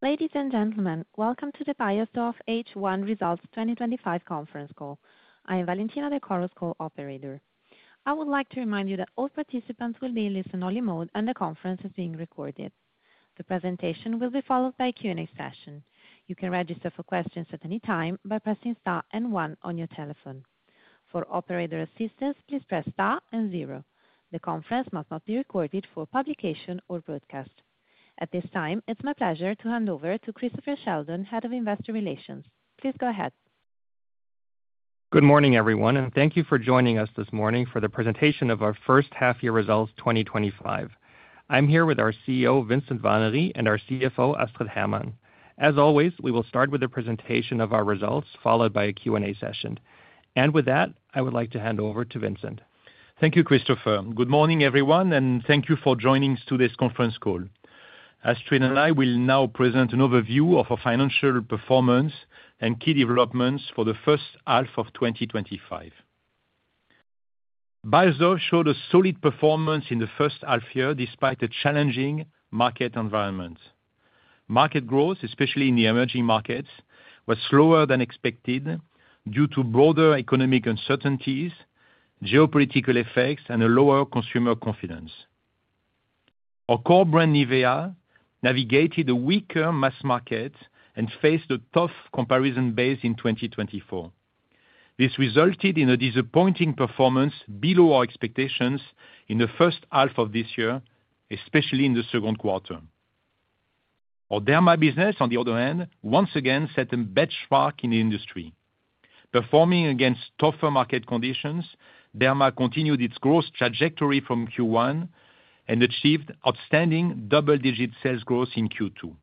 Ladies and gentlemen, welcome to the Beiersdorf H1 results 2025 conference call. I am Valentina, the Chorus call operator. I would like to remind you that all participants will be in listen-only mode and the conference is being recorded. The presentation will be followed by a Q&A session. You can register for questions at any time by pressing star one on your telephone. For operator assistance, please press star zero. The conference must not be recorded for publication or broadcast at this time. It's my pleasure to hand over to Christopher Sheldon, Head of Investor Relations. Please go ahead. Good morning everyone, and thank you for joining us this morning for the presentation of our first half year results 2025. I'm here with our CEO Vincent Warnery and our CFO Astrid Hermann. As always, we will start with a presentation of our results, followed by a Q and A session, and with that I would like to hand over to Vincent. Thank you, Christopher. Good morning, everyone, and thank you for joining today's conference call. Astrid and I will now present an overview of our financial performance and key developments for the first half of 2025. Beiersdorf showed a solid performance in the first half year despite a challenging market environment. Market growth, especially in the emerging markets, was slower than expected due to broader economic uncertainties, geopolitical effects, and lower consumer confidence. Our core brand NIVEA navigated a weaker mass market and faced a tough comparison base in 2024. This resulted in a disappointing performance below our expectations in the first half of this year, especially in the second quarter. Our Derma business, on the other hand, once again set a benchmark in the industry, performing against tougher market conditions. Derma continued its growth trajectory from Q1 and achieved outstanding double-digit sales growth in Q2.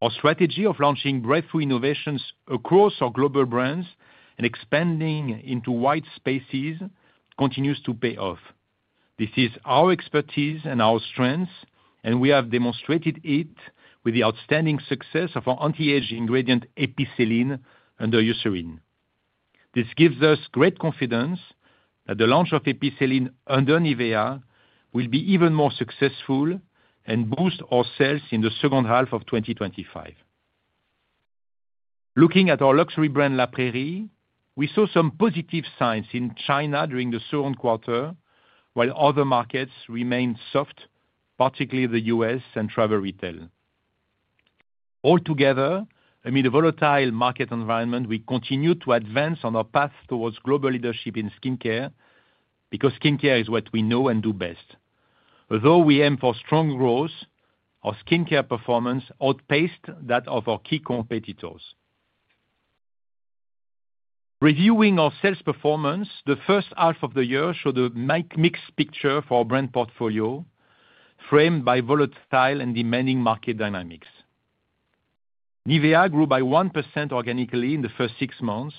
Our strategy of launching breakthrough innovations across our global brands and expanding into white spaces continues to pay off. This is our expertise and our strength, and we have demonstrated it with the outstanding success of our anti-age ingredient EPICELLINE under Eucerin. This gives us great confidence that the launch of EPICELLINE under NIVEA will be even more successful and boost our sales in the second half of 2025. Looking at our luxury brand La Prairie, we saw some positive signs in China during the second quarter while other markets remained soft, particularly the U.S. and travel retail. Altogether, amid a volatile market environment, we continue to advance on our path towards global leadership in skincare because skincare is what we know and do best. Although we aim for strong growth, our skincare performance outpaced that of our key competitors. Reviewing our sales performance, the first half of the year showed a mixed picture for our brand portfolio, framed by volatile and demanding market dynamics. NIVEA grew by 1% organically in the first six months,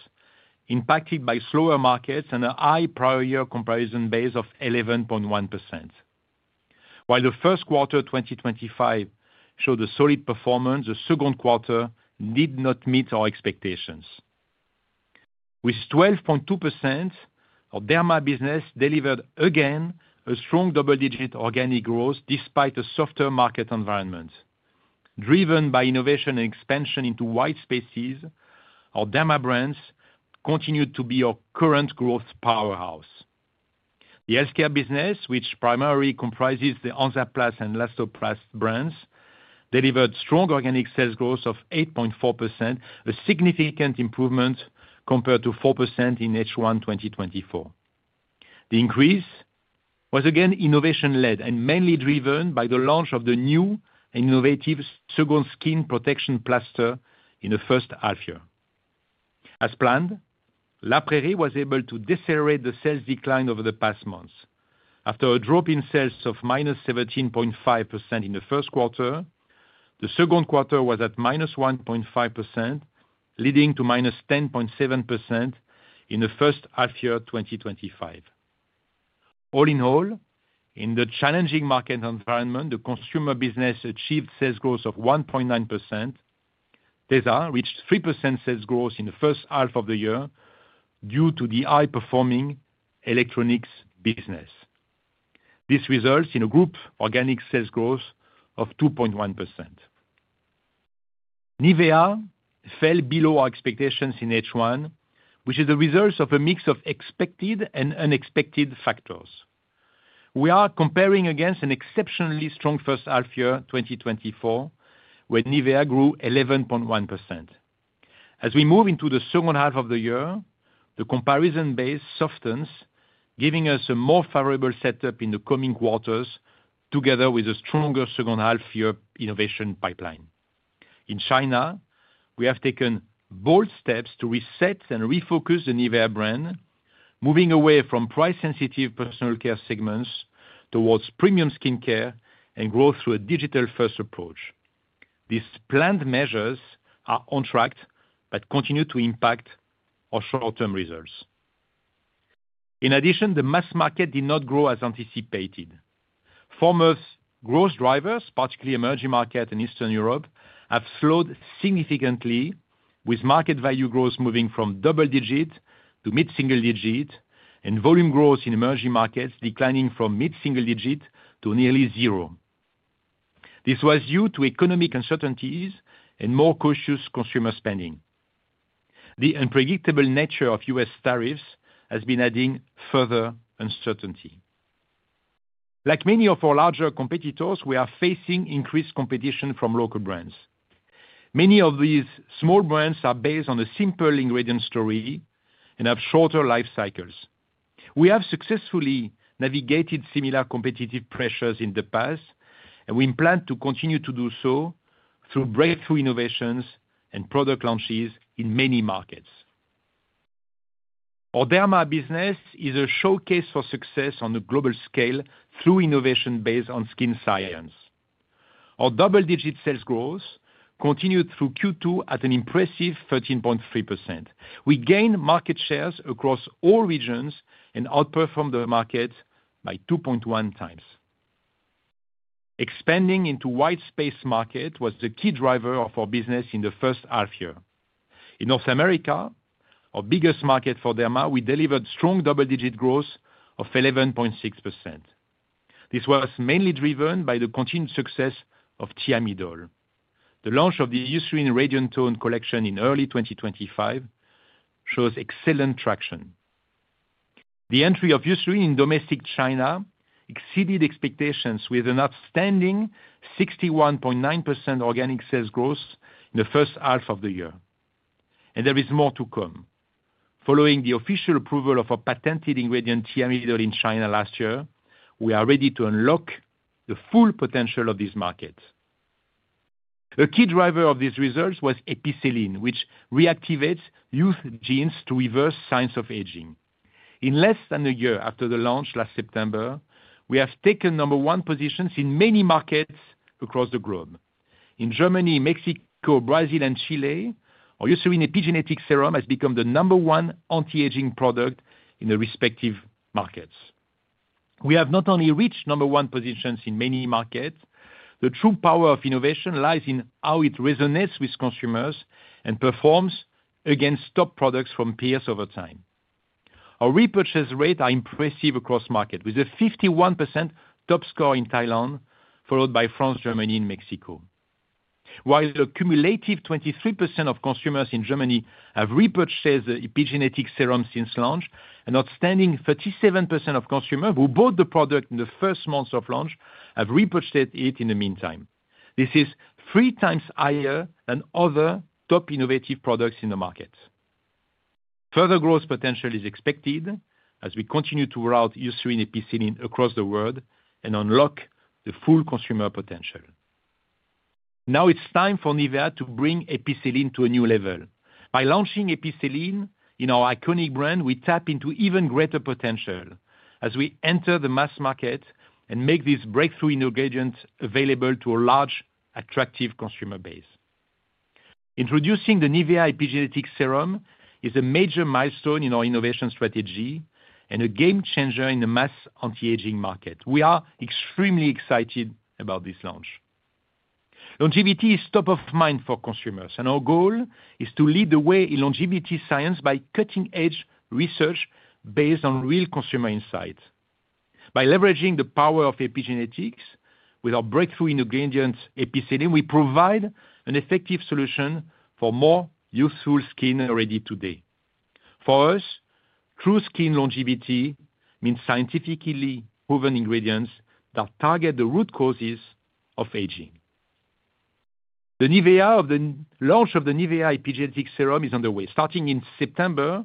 impacted by slower markets and a high prior year comparison base of 11.1%. While the first quarter 2025 showed a solid performance, the second quarter did not meet our expectations with 12.2%. Our Derma business delivered again a strong double-digit organic growth. Despite a softer market environment driven by innovation and expansion into white spaces, our Derma brands continue to be our current growth powerhouse. The healthcare business, which primarily comprises the Hansaplast and Elastoplast brands, delivered strong organic sales growth of 8.4%, a significant improvement compared to 4% in H1 2024. The increase was again innovation-led and mainly driven by the launch of the new innovative second skin protection plaster. In the first half year as planned, La Prairie was able to decelerate the sales decline over the past months. After a drop in sales of -17.5% in the first quarter, the second quarter was at -1.5%, leading to -10.7% in the first half year 2025. Overall, in the challenging market environment, the consumer business achieved sales growth of 1.9%. Tesa reached 3% sales growth in the first half of the year due to the high-performing electronics business. This results in a group organic sales growth of 2.1%. NIVEA fell below our expectations in H1, which is the result of a mix of expected and unexpected factors. We are comparing against an exceptionally strong first half year 2024 where NIVEA grew 11.1%. As we move into the second half of the year, the comparison base softens, giving us a more favorable setup in the coming quarters. Together with a stronger second half year innovation pipeline in China, we have taken bold steps to reset and refocus the NIVEA brand, moving away from price-sensitive personal care segments towards premium skin care and growth through a digital-first approach. These planned measures are on track but continue to impact our short-term results. In addition, the mass market did not grow as anticipated for months. Growth drivers, particularly emerging markets and Eastern Europe, have slowed significantly, with market value growth moving from double-digit to mid-single-digit and volume growth in emerging markets declining from mid-single-digit to nearly zero. This was due to economic uncertainties and more cautious consumer spending. The unpredictable nature of U.S. tariffs has been adding further uncertainty. Like many of our larger competitors, we are facing increased competition from local brands. Many of these small brands are based on a simple ingredient story and have shorter life cycles. We have successfully navigated similar competitive pressures in the past, and we plan to continue to do so through breakthrough innovations and product launches in many markets. Our Derma business is a showcase for success on a global scale through innovation based on skin science. Our double-digit sales growth continued through Q2 at an impressive 13.3%. We gained market shares across all regions and outperformed the market by 2.1x. Expanding into white space markets was the key driver of our business in the first half year. In North America, our biggest market for Beiersdorf, we delivered strong double-digit growth of 11.6%. This was mainly driven by the continued success of Thiamidol. The launch of the Eucerin Radiance collection in early 2023 shows excellent traction. The entry of Eucerin in domestic China exceeded expectations with an outstanding 61.9% organic sales growth in the first half of the year. There is more to come. Following the official approval of our patented ingredient Thiamidol in China last year, we are ready to unlock the full potential of this market. A key driver of these results was EPICELLINE, which reactivates youth genes to reverse signs of aging. In less than a year after the launch last September, we have taken number one positions in many markets across the globe. In Germany, Mexico, Brazil, and Chile, our Eucerin Epigenetic Serum has become the number one anti-aging product in the respective markets. We have not only reached number one positions in many markets, the true power of innovation lies in how it resonates with consumers and performs against top products from peers over time. Our repurchase rates are impressive across markets with a 51% top score in Thailand, followed by France, Germany, and Mexico. While a cumulative 23% of consumers in Germany have repurchased the Epigenetic Serum since launch, an outstanding 37% of consumers who bought the product in the first months of launch have repurchased it in the meantime. This is 3x higher than other top innovative products in the market. Further growth potential is expected as we continue to route Eucerin EPICELLINE across the world and unlock the full consumer potential. Now it's time for NIVEA to bring EPICELLINE to a new level. By launching EPICELLINE in our iconic brand, we tap into even greater potential as we enter the mass market and make this breakthrough ingredient available to a large, attractive consumer base. Introducing the NIVEA Epigenetic Serum is a major milestone in our innovation strategy and a game changer in the mass anti-aging market. We are extremely excited about this launch. Longevity is top of mind for consumers, and our goal is to lead the way in longevity science by cutting-edge research based on real consumer insights. By leveraging the power of epigenetics with our breakthrough ingredient EPICELLINE, we provide an effective solution for more youthful skin already today. For us, true skin longevity means scientifically proven ingredients that target the. Root causes of aging. The launch of the NIVEA Epigenetic Serum is underway starting in September.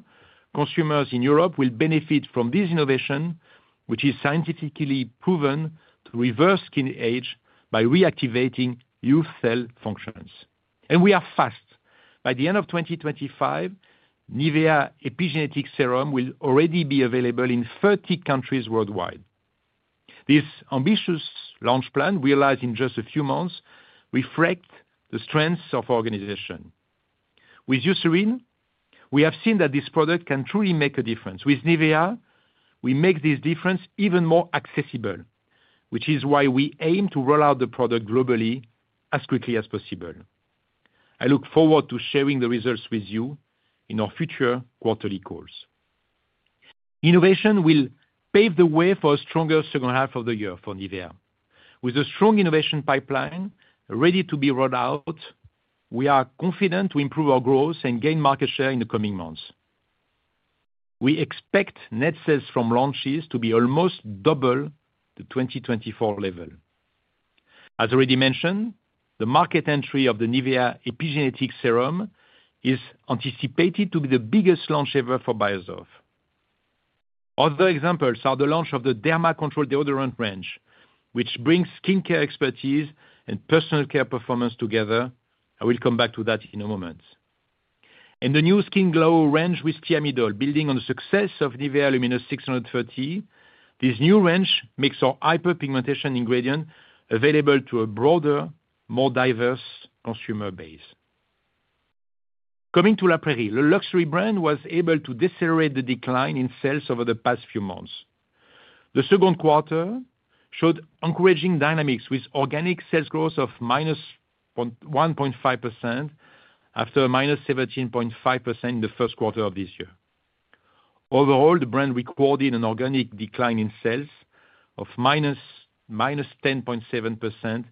Consumers in Europe will benefit from this innovation, which is scientifically proven to reverse skin age by reactivating youth cell functions, and we are fast. By the end of 2025, NIVEA Epigenetic Serum will already be available in 30 countries worldwide. This ambitious launch plan, realized in just a few months, reflects the strengths of our organization. With Eucerin, we have seen that this product can truly make a difference. With NIVEA, we make this difference even more accessible, which is why we aim to roll out the product globally as quickly as possible. I look forward to sharing the results with you in our future quarterly calls. Innovation will pave the way for a stronger second half of the year for NIVEA. With a strong innovation pipeline ready to be rolled out, we are confident to improve our growth and gain market share in the coming months. We expect net sales from launches to be almost double the 2024 level. As already mentioned, the market entry of the NIVEA Epigenetic Serum is anticipated to be the biggest launch ever for Beiersdorf. Other examples are the launch of the Derma Control deodorants range, which brings skincare expertise and personal care performance together. I will come back to that in a moment and the new Skin Glow range with Thiamidol. Building on the success of NIVEA Luminous630, this new range makes our hyperpigmentation ingredient available to a broader, more diverse consumer base. Coming to La Prairie, the luxury brand was able to decelerate the decline in sales over the past few months. The second quarter showed encouraging dynamics with organic sales growth of -1.5% after -17.5% in the first quarter of this year. Overall, the brand recorded an organic decline in sales of -10.7%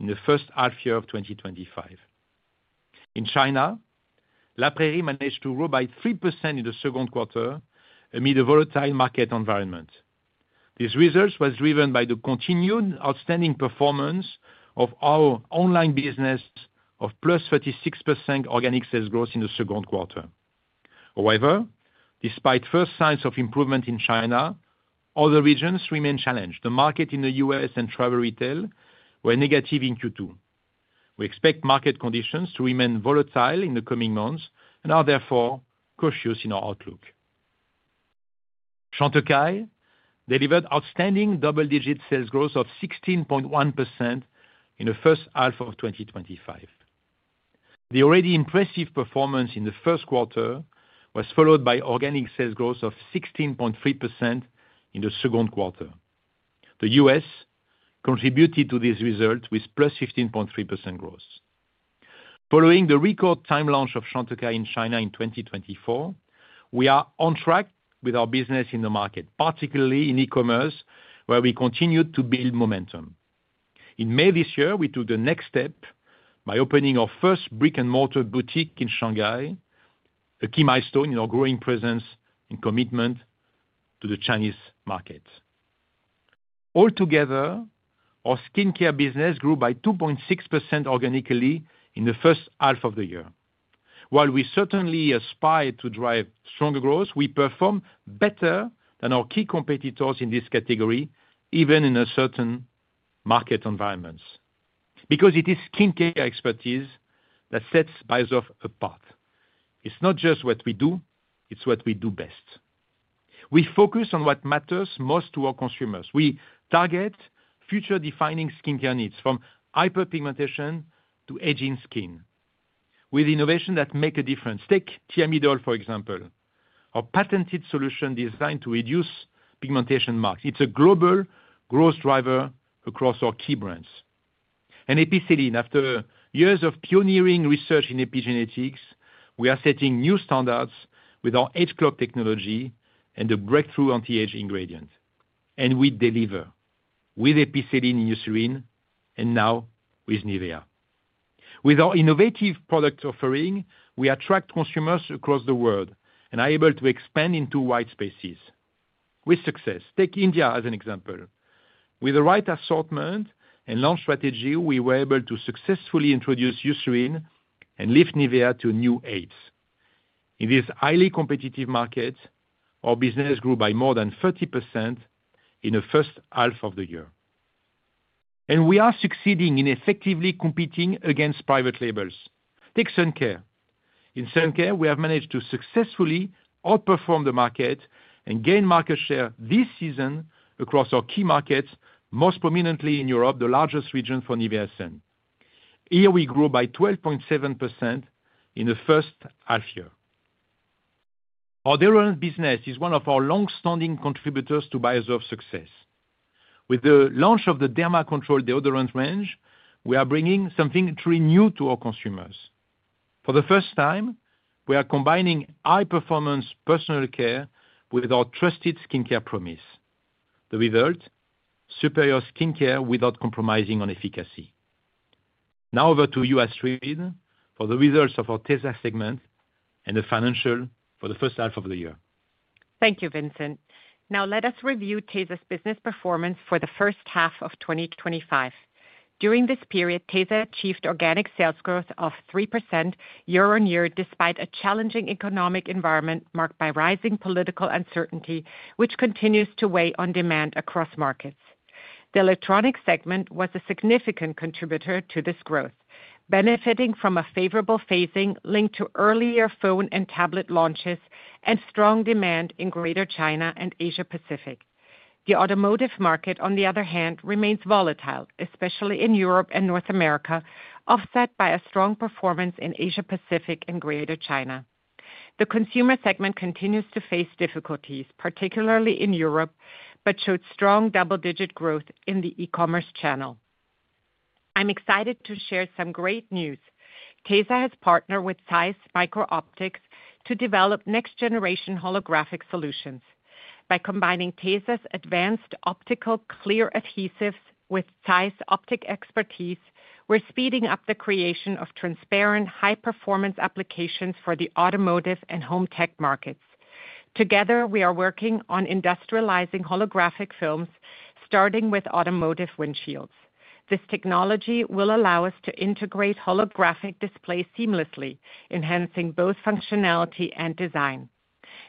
in the first half year of 2025. In China, La Prairie managed to grow by 3% in the second quarter amid a volatile market environment. These results were driven by the continued outstanding performance of our online business of +36% organic sales growth in the second quarter. However, despite first signs of improvement in China, other regions remain challenged. The market in the U.S. and travel retail were negative in Q2. We expect market conditions to remain volatile in the coming months and are therefore cautious in our outlook. Chantecaille delivered outstanding double-digit sales growth of 16.1% in the first half of 2025. The already impressive performance in the first quarter was followed by organic sales growth of 16.3% in the second quarter. The U.S. contributed to this result with +15.3% growth following the record time launch of Chantecaille in China in 2024. We are on track with our business in the market, particularly in e-commerce where we continue to build momentum. In May this year, we took the next step by opening our first brick and mortar boutique in Shanghai, a key milestone in our growing presence and commitment to the Chinese market. Altogether, our skincare business grew by 2.6% organically in the first half of the year. While we certainly aspired to drive stronger growth, we performed better than our key competitors in this category even in certain market environments. Because it is skincare expertise that sets Beiersdorf apart. It's not just what we do, it's. What we do best. We focus on what matters most to our consumers. We target future-defining skincare needs from hyperpigmentation to aging skin with innovation that makes a difference. Take Thiamidol for example, our patented solution designed to reduce pigmentation marks. It's a global growth driver across our key brands and EPICELLINE. After years of pioneering research in epigenetics, we are setting new standards with our HCLOC technology and the breakthrough anti-age ingredient, and we deliver with EPICELLINE in Eucerin and now with NIVEA. With our innovative product offering, we attract consumers across the world and are able to expand into wide spaces with success. Take India as an example. With the right assortment and launch strategy, we were able to successfully introduce Eucerin and lift NIVEA to new ages in this highly competitive market. Our business grew by more than 30% in the first half of the year, and we are succeeding in effectively competing against private labels. Take suncare in Sun Care. We have managed to successfully outperform the market and gain market share this season across our key markets, most prominently in Europe, the largest region for NIVEA Sun. Here we grew by 12.7% in the first half year. Our deodorant business is one of our longstanding contributors to Beiersdorf's success. With the launch of the Derma Control deodorant range, we are bringing something truly new to our consumers. For the first time, we are combining high-performance personal care with our trusted skincare promise. The result? Superior skincare without compromising on efficacy. Now over to you, Astrid, for the results of our Tesa segment and the financials for the first half of the year. Thank you, Vincent. Now let us review Tesa's business performance for the first half of 2025. During this period, Tesa achieved organic sales growth of 3% year-on-year despite a challenging economic environment marked by rising political uncertainty, which continues to weigh on demand across markets. The electronics segment was a significant contributor to this growth, benefiting from a favorable phasing linked to earlier phone and tablet launches and strong demand in Greater China and Asia Pacific. The automotive market, on the other hand, remains volatile, especially in Europe and North America, offset by a strong performance in Asia Pacific and Greater China. The consumer segment continues to face difficulties, particularly in Europe, but showed strong double-digit growth in the e-commerce channel. I'm excited to share some great news. Tesa has partnered with ZEISS Microoptics to develop next-generation holographic solutions. By combining Tesa's advanced optical clear adhesives with ZEISS's optic expertise, we're speeding up the creation of transparent, high-performance applications for the automotive and home tech markets. Together, we are working on industrializing holographic films, starting with automotive windshields. This technology will allow us to integrate holographic displays seamlessly, enhancing both functionality and design.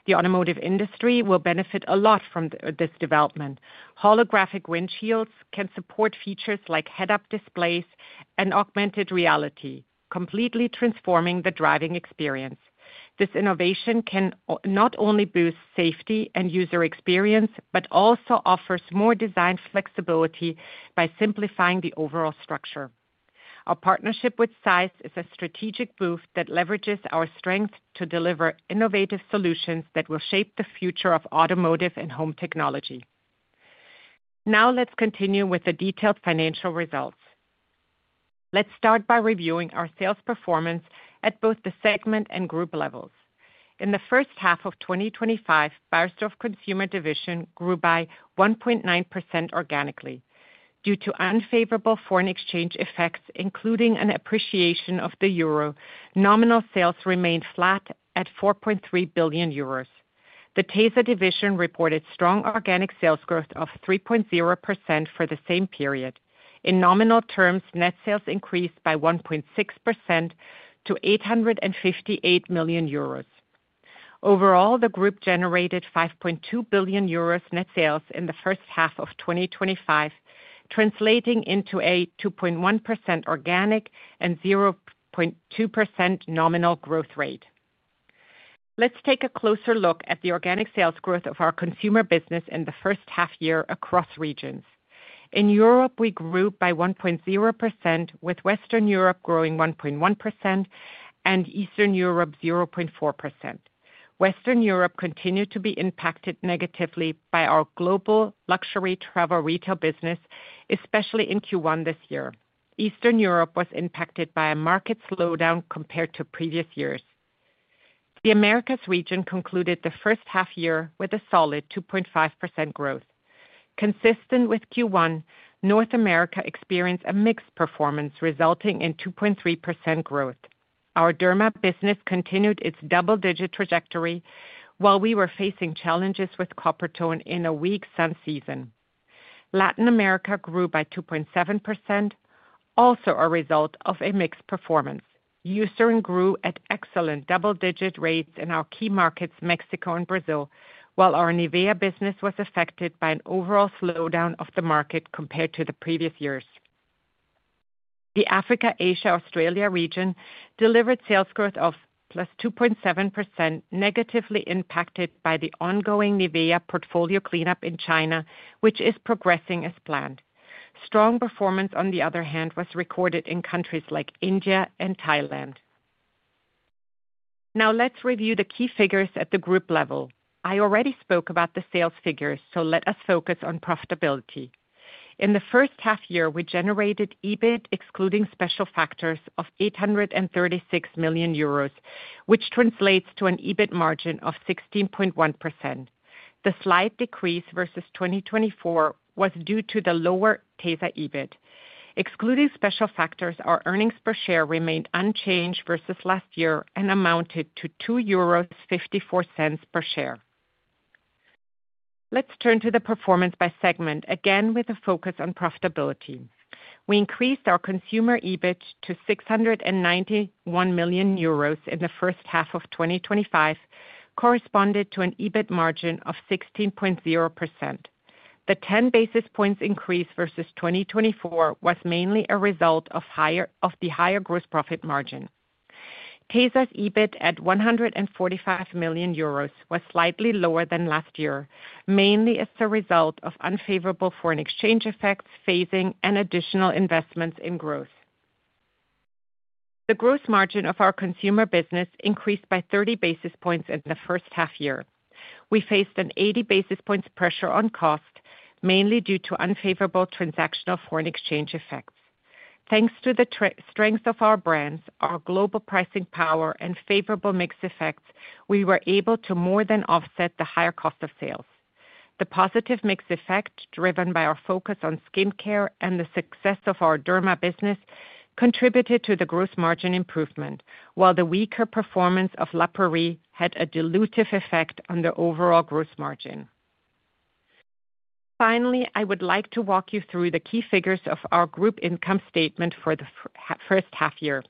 The automotive industry will benefit a lot from this development. Holographic windshields can support features like head-up displays and augmented reality, completely transforming the driving experience. This innovation can not only boost safety and user experience, but also offers more design flexibility by simplifying the overall structure. Our partnership with ZEISS is a strategic boost that leverages our strength to deliver innovative solutions that will shape the future of automotive and home technology. Now let's continue with the detailed financial results. Let's start by reviewing our sales performance at both the segment and group levels. In the first half of 2025, Beiersdorf Consumer division grew by 1.9% organically due to unfavorable foreign exchange effects, including an appreciation of the euro. Nominal sales remained flat at 4.3 billion euros. The Tesa division reported strong organic sales growth of 3.0% for the same period. In nominal terms, net sales increased by 1.6% to 858 million euros. Overall, the group generated 5.2 billion euros net sales in the first half of 2025, translating into a 2.1% organic and 0.2% nominal growth rate. Let's take a closer look at the organic sales growth of our consumer business in the first half year. Across regions in Europe we grew by 1.0%, with Western Europe growing 1.1% and Eastern Europe 0.4%. Western Europe continued to be impacted negatively by our global luxury travel retail business, especially in Q1. This year Eastern Europe was impacted by a market slowdown compared to previous years. The Americas region concluded the first half year with a solid 2.5% growth, consistent with Q1. North America experienced a mixed performance resulting in 2.3% growth. Our Derma business continued its double-digit trajectory while we were facing challenges with Coppertone in a weak sun season. Latin America grew by 2.7%, also a result of a mixed performance. Eucerin grew at excellent double-digit rates in our key markets Mexico and Brazil, while our NIVEA business was affected by an overall slowdown of the market compared to the previous years. The Africa Asia Australia region delivered sales growth of 2.7%, negatively impacted by the ongoing NIVEA portfolio cleanup in China, which is progressing as planned. Strong performance, on the other hand, was recorded in countries like India and Thailand. Now let's review the key figures at the group level. I already spoke about the sales figures, so let us focus on profitability. In the first half year we generated EBIT excluding special factors of 836 million euros, which translates to an EBIT margin of 16.1%. The slight decrease versus 2024 was due to the lower Tesa EBIT excluding special factors. Our earnings per share remained unchanged versus last year and amounted to 2.54 euros per share. Let's turn to the performance by segment again with a focus on profitability. We increased our Consumer EBIT to 691 million euros in the first half of 2025, corresponding to an EBIT margin of 16.0%. The 10 basis points increase versus 2024 was mainly a result of the higher gross profit margin. Tesa's EBIT at 145 million euros was slightly lower than last year, mainly as a result of unfavorable foreign exchange effects, phasing, and additional investments in growth. The gross margin of our Consumer business increased by 30 basis points in the first half year. We faced an 80 basis points pressure on cost, mainly due to unfavorable transactional foreign exchange effects. Thanks to the strength of our brands, our global pricing power, and favorable mix effects, we were able to more than offset the higher cost of sales. The positive mix effect driven by our focus on skin care and the success of our Derma business contributed to the gross margin improvement, while the weaker performance of La Prairie had a dilutive effect on the overall gross margin. Finally, I would like to walk you through the key figures of our group income statement for the first half year.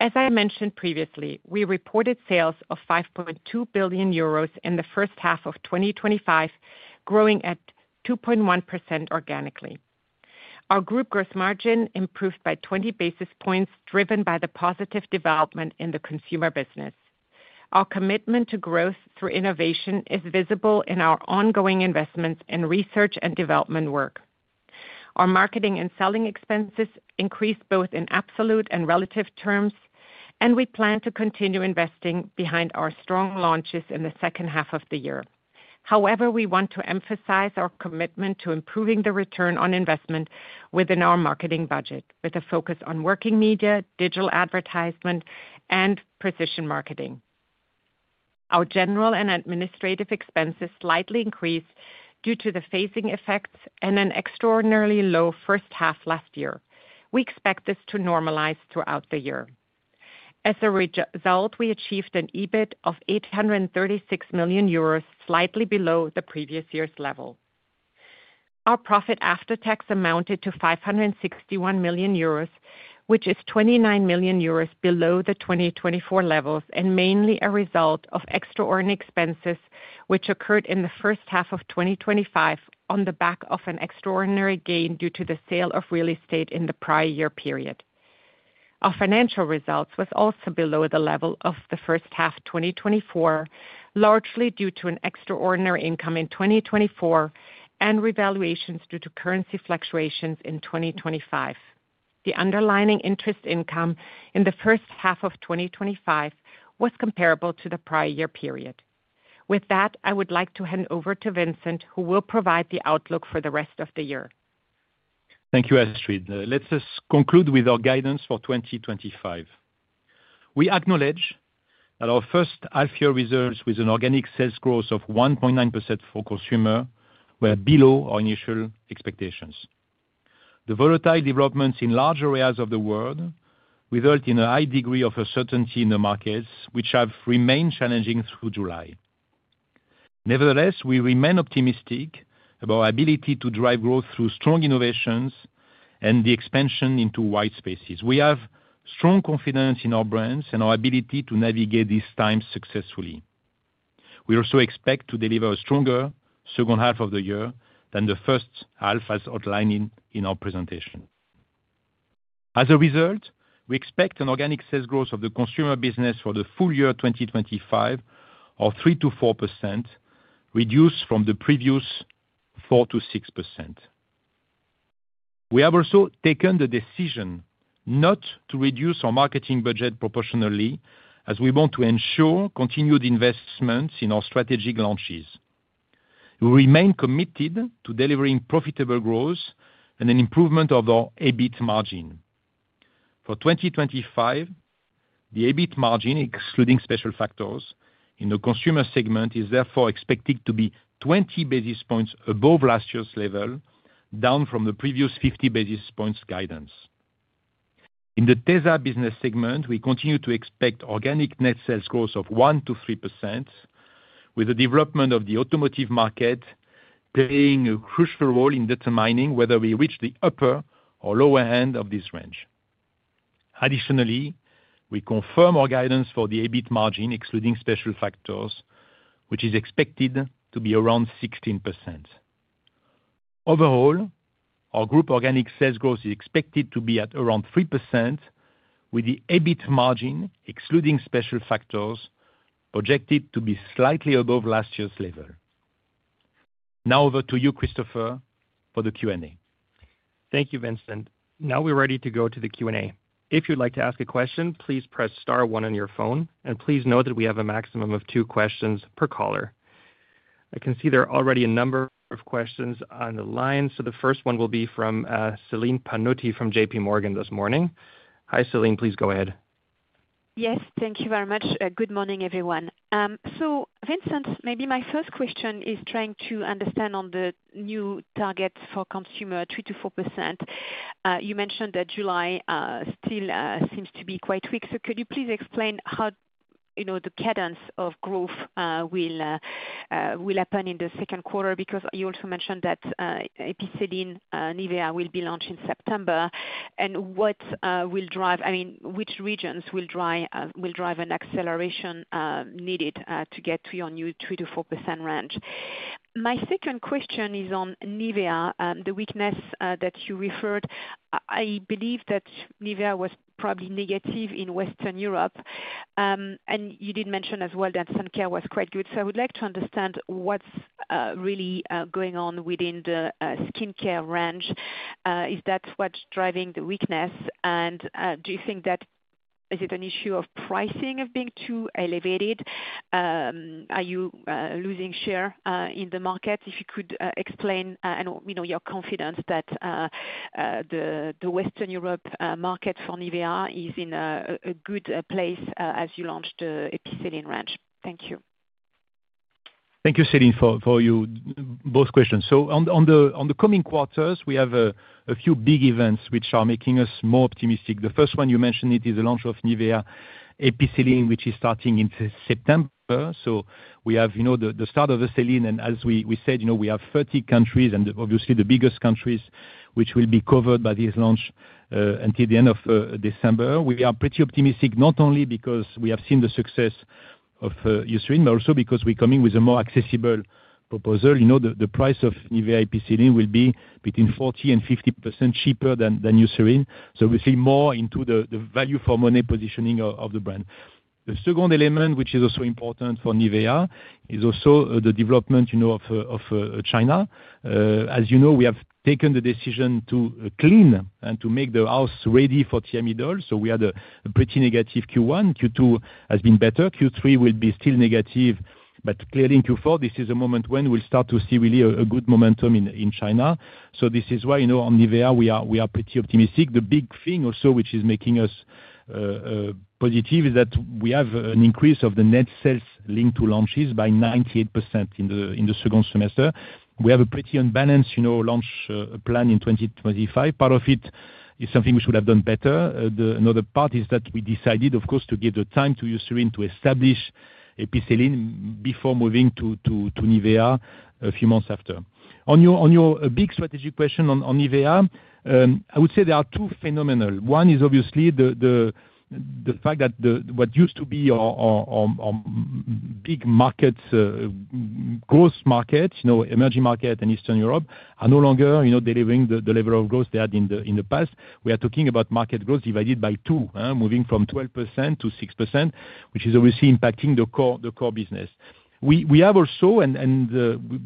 As I mentioned previously, we reported sales of 5.2 billion euros in the first half of 2025, growing at 2.1% organically. Our group gross margin improved by 20 basis points, driven by the positive development in the Consumer business. Our commitment to growth through innovation is visible in our ongoing investments in research and development work. Our marketing and selling expenses increased both in absolute and relative terms, and we plan to continue investing behind our strong launches in the second half of the year. However, we want to emphasize our commitment to improving the return on investment within our marketing budget with a focus on working media, digital advertisement, and precision marketing. Our general and administrative expenses slightly increased due to the phasing effects and an extraordinarily low first half last year. We expect this to normalize throughout the year. As a result, we achieved an EBIT of 836 million euros, slightly below the previous year's level. Our profit after tax amounted to 561 million euros, which is 29 million euros below the 2024 levels and mainly a result of extraordinary expenses which occurred in the first half of 2025 on the back of an extraordinary gain due to the sale of real estate in the prior year period. Our financial result was also below the level of the first half 2024, largely due to an extraordinary income in 2024 and currency fluctuations in 2025. The underlying interest income in the first half of 2025 was comparable to the prior year period. With that, I would like to hand over to Vincent who will provide the outlook for the rest of the year. Thank you, Astrid. Let us conclude with our guidance for 2025. We acknowledge that our first half year results with an organic sales growth of 1.9% for Consumer were below our initial expectations. The volatile developments in large areas of the world result in a high degree of uncertainty in the markets, which have remained challenging through July. Nevertheless, we remain optimistic about our ability to drive growth through strong innovations and the expansion into wide spaces. We have strong confidence in our brands and our ability to navigate these times successfully. We also expect to deliver a stronger second half of the year than the first half as outlined in our presentation. As a result, we expect an organic sales growth of the Consumer business for the full year 2025 of 3%-4%, reduced from the previous 4%-6%. We have also taken the decision not to reduce our marketing budget proportionally as we want to ensure continued investments in our strategic launch. We remain committed to delivering profitable growth and an improvement of our EBIT margin for 2025. The EBIT margin excluding special factors in the Consumer segment is therefore expected to be 20 basis points above last year's level, down from the previous 50 basis points guidance. In the Tesa business segment, we continue to expect organic net sales growth of 1% to 3%, with the development of the automotive market playing a crucial role in determining whether we reach the upper or lower end of this range. Additionally, we confirm our guidance for the EBIT margin excluding special factors, which is expected to be around 16%. Overall, our group organic sales growth is expected to be at around 3% with the EBIT margin excluding special factors projected to be slightly above last year's level. Now over to you, Christopher, for the Q and A. Thank you, Vincent. Now we're ready to go to the Q and A. If you'd like to ask a question, please press star one on your phone. Please note that we have a maximum of two questions per caller. I can see there are already a number of questions on the line. The first one will be from Celine Pannuti from JPMorgan. this morning. Hi Celine, please go ahead. Yes, thank you very much. Good morning everyone. Vincent, maybe my first question is trying to understand on the new targets for Consumer 3%-4%. You mentioned that July still seems to be quite weak. Could you please explain how the cadence of growth will happen in the second quarter? You also mentioned that EPICELLINE in NIVEA will be launched in September and what will drive, I mean which regions will drive an acceleration needed to get to your new 3%-4% range. My second question is on NIVEA, the weakness that you referred. I believe that NIVEA was probably negative in Western Europe and you did mention as well that Sun Care was quite good. I would like to understand what's really going on within the skin care range. Is that what's driving the weakness? Do you think that is it an issue of pricing, of being too elevated? Are you losing share in the market? If you could explain your confidence that the Western Europe market for NIVEA is in a good place as you launch the EPICELLINE range. Thank you. Thank you, Celine, for both questions. On the coming quarters, we have a few big events which are making us more optimistic. The first one you mentioned is the launch of NIVEA Epigenetic Serum, which is starting in September. We have the start of the saline, and as we said, we have 30 countries and obviously the biggest countries which will be covered by this launch until the end of December. We are pretty optimistic, not only because we have seen the success of Eucerin, but also because we're coming with a more accessible proposal. The price of NIVEA Epigenetic Serum will be between 40%-50% cheaper than Eucerin. We see more into the value for money positioning of the brand. The second element which is also important for NIVEA is the development of China. As you know, we have taken the decision to clean and to make the house ready for Thiamidol. We had a pretty negative Q1. Q2 has been better. Q3 will be still negative. Clearly, in Q4, this is a moment when we start to see really a good momentum in China. This is why on NIVEA we are pretty optimistic. The big thing also which is making us positive is that we have an increase of the net sales linked to launches by 98% in the second semester. We have a pretty unbalanced launch plan in 2025. Part of it is something we should have done better. Another part is that we decided, of course, to give the time to Eucerin to establish EPICELLINE before moving to NIVEA a few months after. On your big strategic question on NIVEA, I would say there are two phenomena. One is obviously the fact that what used to be big market growth markets, emerging market and Eastern Europe, are no longer delivering the level of growth they had in the past. We are talking about market growth divided by 2, moving from 12% to 6%, which is obviously impacting the core business. We have also, and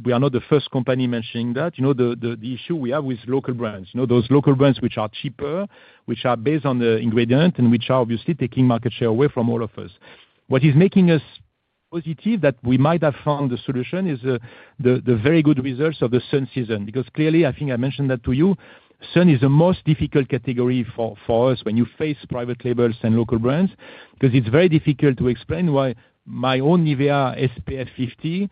we are not the first company mentioning that, the issue we have with local brands, those local brands which are cheaper, which are based on the ingredient, and which are obviously taking market share away from all of us. What is making us positive that we might have found the solution is the very good results of the sun season, because clearly, I think I mentioned that to you, sun is the most difficult category for us when you face private labels and local brands, because it's very difficult to explain why my own NIVEA SPF 50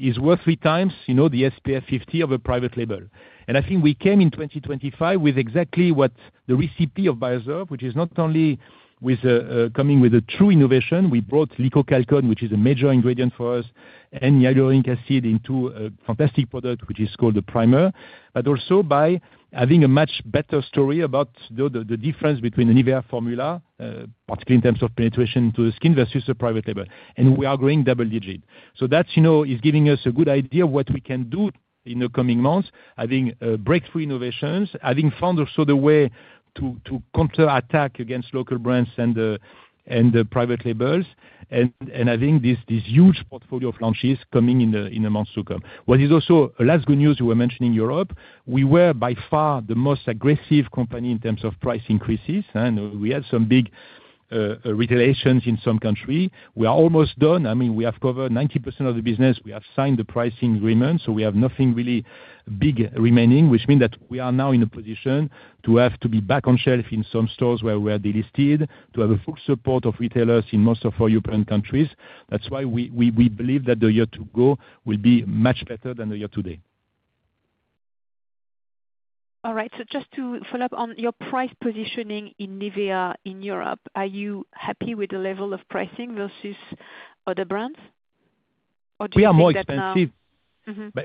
is worth 3x the SPF 50 of a private label. I think we came in 2025 with exactly what the recipe of BioServ, which is not only coming with a true innovation. We brought GLYCOSTOP, which is a major ingredient for us, and hyaluronic acid, into a fantastic product, which is called the Primer, but also by having a much better story about the difference between an EVR formula, particularly in terms of penetration to the skin versus the private label. We are growing double digit. That is giving us a good idea of what we can do in the coming months. Having breakthrough innovations, having found also the way to counter attack against local brands and private labels. I think this huge portfolio of launches coming in the months to come. What is also last good news, you were mentioning Europe. We were by far the most aggressive company in terms of price increases, and we had some big retaliations in some country. We are almost done. I mean, we have covered 90% of the business. We have signed the pricing agreement. We have nothing really big remaining, which means that we are now in a position to have to be back on shelf in some stores where we are delisted to have a full support of retailers in most of our European countries. That's why we believe that the year to go will be much better than the year today. All right, just to follow up on your price positioning in NIVEA in Europe, are you happy with the level of pricing versus other brands? We are more expensive.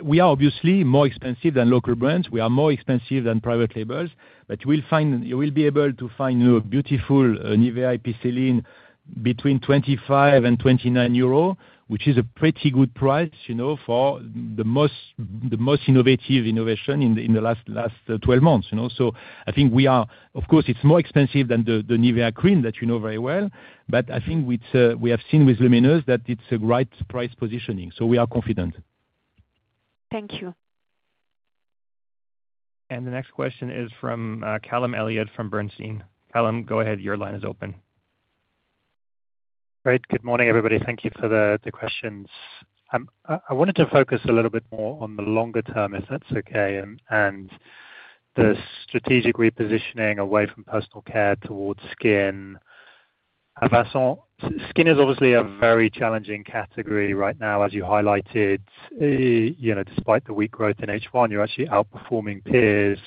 We are obviously more expensive than local brands. We are more expensive than private labels. You will be able to find a beautiful NIVEA Epigenetic Serum between 25-29 euro, which is a pretty good price for the most innovative innovation in the last 12 months. I think we are, of course it's more expensive than the NIVEA cream that you know very well. I think we have seen with Luminous that it's a right price positioning. We are confident. Thank you. The next question is from Callum Elliott from Bernstein Co. Callum, go ahead. Your line is open. Great. Good morning, everybody. Thank you for the questions. I wanted to focus a little bit more on the longer term, if that's okay. The strategic repositioning away from personal care towards skin. Skin is obviously a very challenging category right now. As you highlighted, despite the weak in H1, you're actually outperforming peers.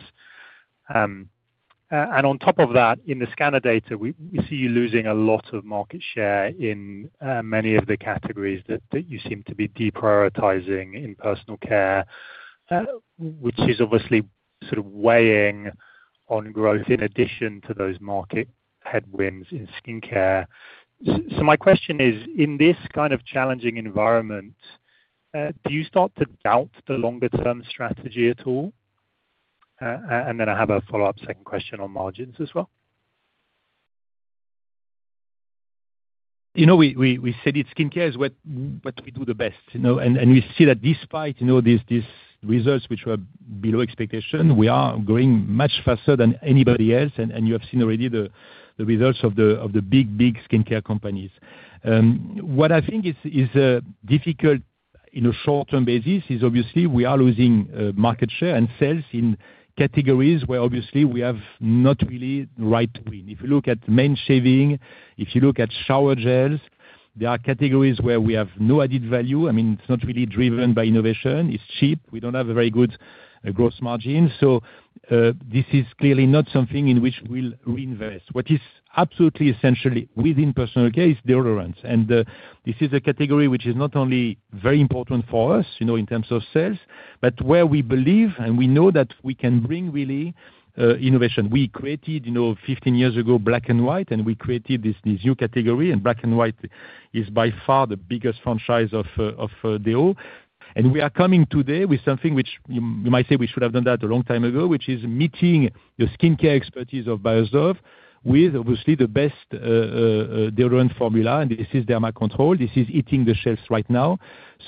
On top of that, in the scanner data, we see you losing a lot of market share in many of the categories that you seem to be deprioritizing in personal care, which is obviously sort of weighing on growth in addition to those market headwinds in skincare. My question is, in this kind of challenging environment, do you start to doubt the longer term strategy at all? I have a follow up second question on margins as well. You know, we said skincare is what we do the best and we see that despite these results, which were below expectation, we are growing much faster than anybody else. You have seen already the results of the big, big skincare companies. What I think is difficult on a short-term basis is obviously we are losing market share and sales in categories where obviously we have not really. Right. If you look at men shaving, if you look at shower gels, these are categories where we have no added value. I mean, it's not really driven by innovation. It's cheap. We don't have a very good gross margin. This is clearly not something in which we'll reinvest. What is absolutely essential within personal care is deodorant. This is a category which is not only very important for us in terms of sales, but where we believe and we know that we can bring real innovation. We created 15 years ago Black & White, and we created this new category. Black & White is by far the biggest franchise of D.O. We are coming today with something which you might say we should have done a long time ago, which is meeting the skincare expertise of Beiersdorf with obviously the best deodorant formula. This is Derma Control. This is hitting the shelves right now.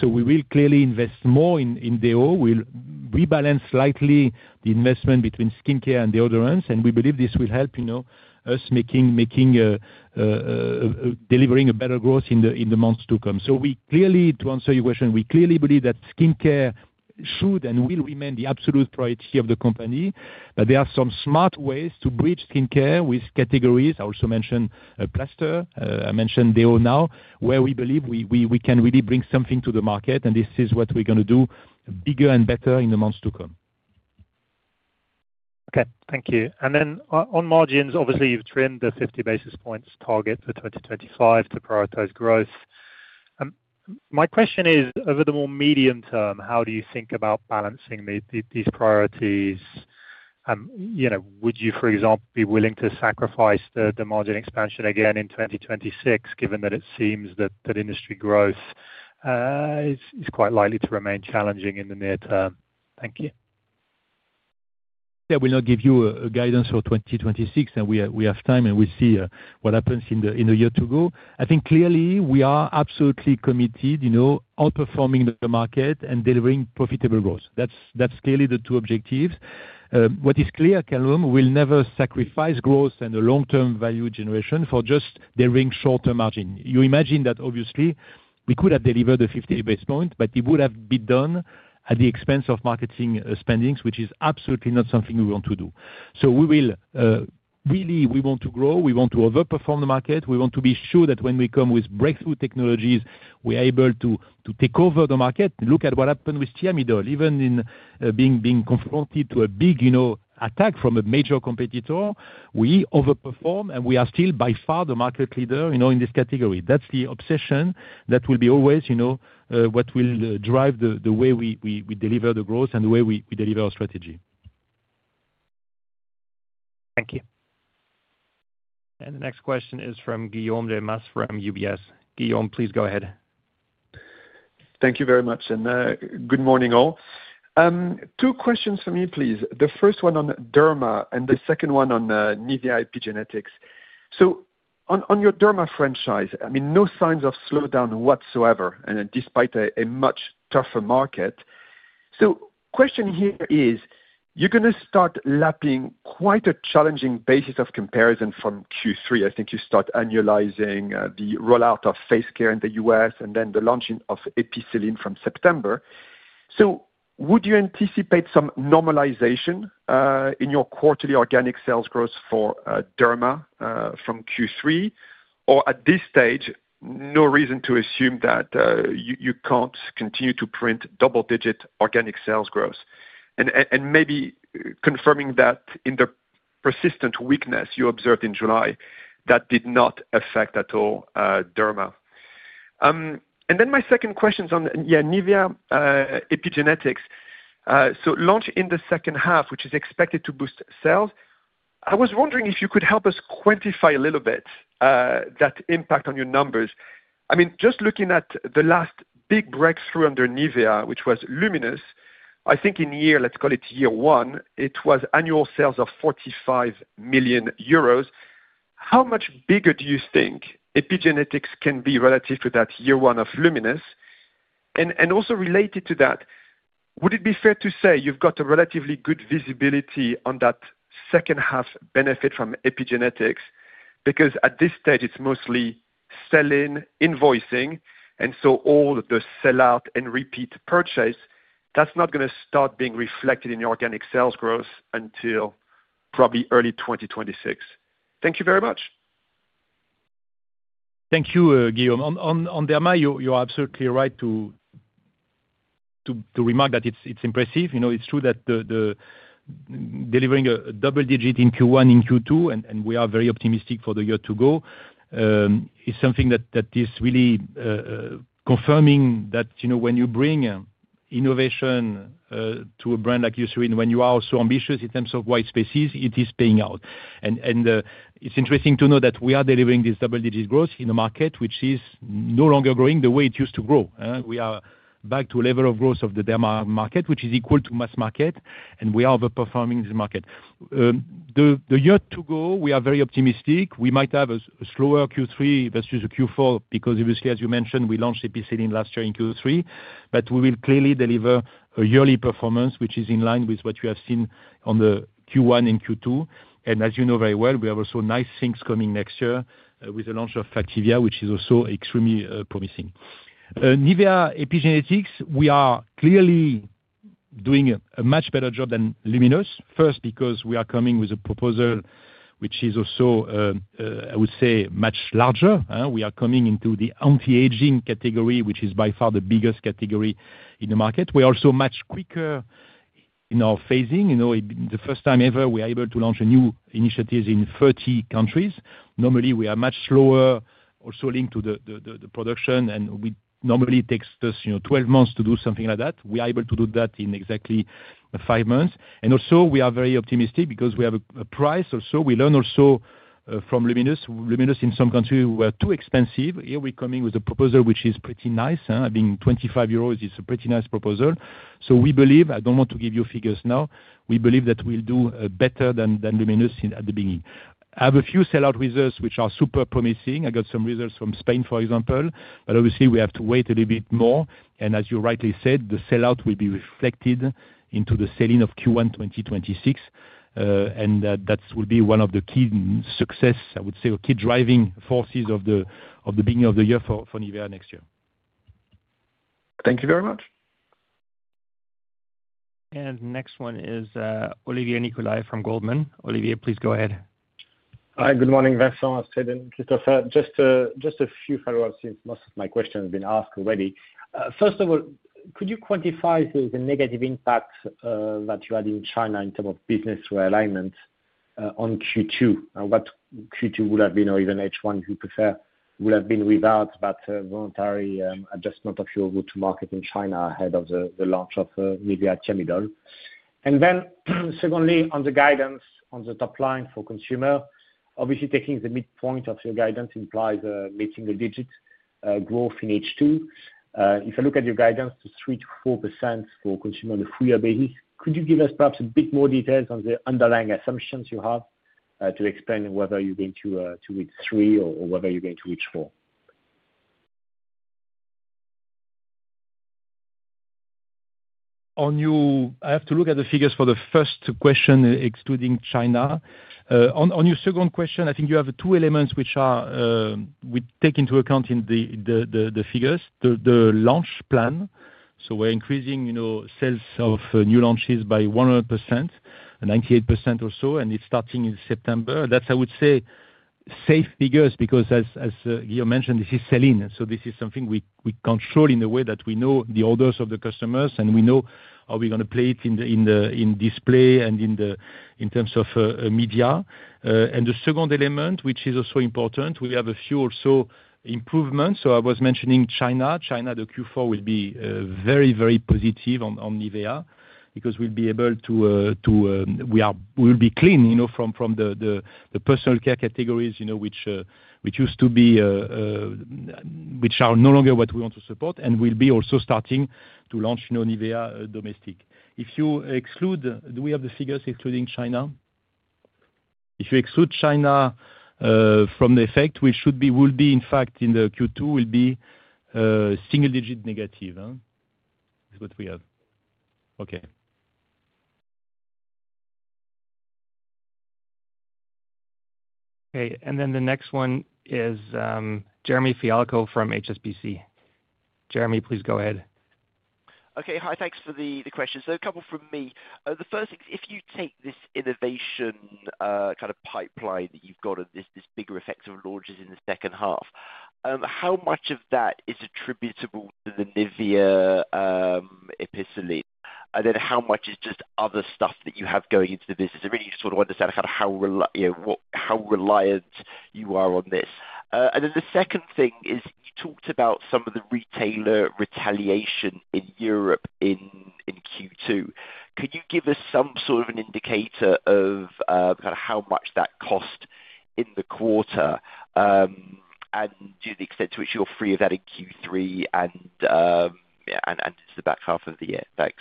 We will clearly invest more in D.O. and will rebalance slightly the investment between skincare and deodorants. We believe this will help us deliver better growth in the months to come. To answer your question, we clearly believe that skincare should and will remain the absolute priority of the company. There are some smart ways to bridge skincare with categories. I also mentioned plaster, I mentioned D.O. now, where we believe we can really bring something to the market and this is what we're going to do bigger and better in the months to come. Okay, thank you. On margins, obviously you've trimmed the 50 basis points target for 2025 to prioritize growth. My question is, over the more medium. Term, how do you think about balancing these priorities? Would you, for example, be willing to sacrifice the margin expansion again in 2026, given that it seems that industry growth is quite likely to remain challenging in the near term? Thank you. I will not give you a guidance for 2026, and we have time and we'll see what happens in a year to go. I think clearly we are absolutely committed. Outperforming the market and delivering profitable growth, that's clearly the two objectives. What is clear, Callum, we will never sacrifice growth and the long-term value generation for just daring short-term margin. You imagine that obviously we could have delivered the 58 basis points, but it would have been done at the expense of marketing spending, which is absolutely not something we want to do. We really want to grow, we want to overperform the market. We want to be sure that when we come with breakthrough technologies, we are able to take over the market. Look at what happened with Thiamidol. Even in being confronted with a big attack from a major competitor, we overperform and we are still by far the market leader in this category. That's the obsession that will be always what we drive, the way we deliver the growth and the way we deliver our strategy. Thank you. The next question is from Guillaume Delmas from UBS. Guillaume, please go ahead. Thank you very much and good morning all. Two questions for me please. The first one on Derma and the second one on NIVEA Epigenetics. On your Derma franchise, I mean, no signs of slowdown whatsoever and despite a much tougher market. The question here is, you're going to start lapping quite a challenging basis of comparison from Q3, I think you start annualizing the rollout of Face Care in the U.S. and then the launching of EPICELLINE from September. Would you anticipate some normalization in your quarterly organic sales growth for Derma from Q3 or at this stage, no reason to assume that you can't continue to print double-digit organic sales growth and maybe confirming that in the persistent weakness you observed in July that did not affect at all Derma. My second question is on NIVEA Epigenetics, so launch in the second half, which is expected to boost sales. I was wondering if you could help us quantify a little bit that impact on your numbers. Just looking at the last big breakthrough under NIVEA, which was Luminous, I think in year, let's call it year one, it was annual sales of 45 million euros. How much bigger do you think Epigenetics can be relative to that year one of Luminous? Also related to that, would it be fair to say you've got a relatively good visibility on that second half benefit from epigenetics? Because at this stage it's mostly selling, invoicing and so all the sellout and repeat purchase that's not going to start being reflected in organic sales growth until probably early 2026. Thank you very much. Thank you, Guillaume. On Derma, you're absolutely right to remark that it's impressive. It's true that delivering a double-digit in Q1, in Q2 and we are very optimistic for the year to go is something that is really confirming that when you bring innovation to a brand like Eucerin and when you are so ambitious in terms of white spaces, it is paying out. It's interesting to know that we are delivering this double-digit growth in a market which is no longer growing the way it used to grow. We are back to a level of growth of the Derma market which is equal to mass market. We are performing this market the year to go. We are very optimistic we might have a slower Q3 versus a Q4 because obviously, as you mentioned, we launched EPICELLINE last year in Q3, but we will clearly deliver a yearly performance which is in line with what you have seen on the Q1 and Q2. As you know very well, we have also nice things coming next year with the launch of Factiva, which is also extremely promising. NIVEA Epigenetic Serum. We are clearly doing a much better job than Luminous. First, because we are coming with a proposal which is also, I would say, much larger. We are coming into the anti-aging category, which is by far the biggest category in the market. We are also much quicker in our phasing. The first time ever we are able to launch new initiatives in 30 countries. Normally we are much slower, also linked to the production and normally it takes us 12 months to do something like that. We are able to do that in exactly five months. We are very optimistic because we have a price. We also learn from Luminous. Luminous in some countries was too expensive. Here we're coming with a proposal which is pretty nice. I mean, 25 euros is a pretty nice proposal. We believe. I don't want to give you figures now. We believe that we'll do better than Luminous at the beginning. Have a few sellout with us which are super promising. I got some results from Spain for example. Obviously we have to wait a little bit more. As you rightly said, the sellout will be reflected into the selling of Q1 2026 and that will be one of the key success, I would say, key driving forces of the beginning of the year for NIVEA next year. Thank you very much. Next one is Olivier Nicolai from Goldman. Olivier, please go ahead. Hi, good morning, Vincent. Christopher. Just a few follow-ups since most of my questions have been asked already. First of all, could you quantify the negative impact that you had in China in terms of business realignment on Q2 and what Q2 would have been, or even H1 if you prefer, would have been without that voluntary adjustment of your route to market in China ahead of the launch of NIVEA Epigenetic Serum. Secondly, on the guidance on the top line for Consumer, obviously taking the midpoint of your guidance implies a mid single-digit growth in H2. If I look at your guidance of 3%-4% for Consumer on a full year basis, could you give us perhaps a bit more detail on the underlying assumptions? You have to explain whether you're going to reach 3 or whether you're going to reach 4. On you I have to look at the figures for the first question excluding China. On your second question I think you have two elements which are we take into account in the figures the launch plan. We're increasing sales of new launches by 100%, 98% or so, and it's starting in September. That's, I would say, safe figures because as guillotined this is selling. This is something we control in a way that we know the orders of the customers and we know are we going to play it in display and in terms of media. The second element which is also important, we have a few also improvements. I was mentioning China. China, the Q4 will be very, very positive on NIVEA because we'll be able to, we will be clean from the personal care categories which used to be, which are no longer what we want to support and will be also starting to launch non-NIVEA domestic. If you exclude, do we have the figures excluding China? If you exclude China from the effect, we should be, will be in fact in the Q2 will be single digit. Negative is what we have. Okay. one is Jeremy Fialko from HSBC. Jeremy, please go ahead. Hi, thanks for the question. A couple from me. The first, if you take this innovation kind of pipeline that you've got, this bigger effect of launches in the second half, how much of that is attributable to the NIVEA Epigenetic Serum, and then how much is just other stuff that you have going into the business? I really sort of understand how reliant you are on this. The second thing is you talked about some of the retailer retaliation in Europe in Q2. Could you give us some sort of. An indicator of how much that cost in the quarter and the extent to which you're free of that in Q3 and the back half of the year. Thanks.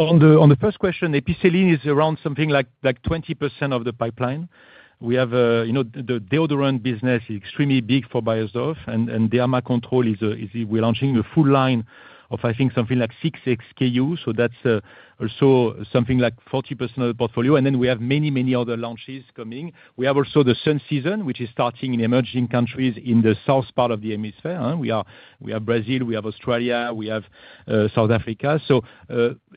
On the first question, EPICELLINE is around something like 20% of the pipeline we have. The deodorant business is extremely big for Beiersdorf and Derma Control. We're launching a full line of I think something like 6 SKU. That's also something like 40% of the portfolio. We have many, many other launches coming. We have also the sun season which is starting in emerging countries in the south part of the hemisphere. We have Brazil, we have Australia, we have South Africa.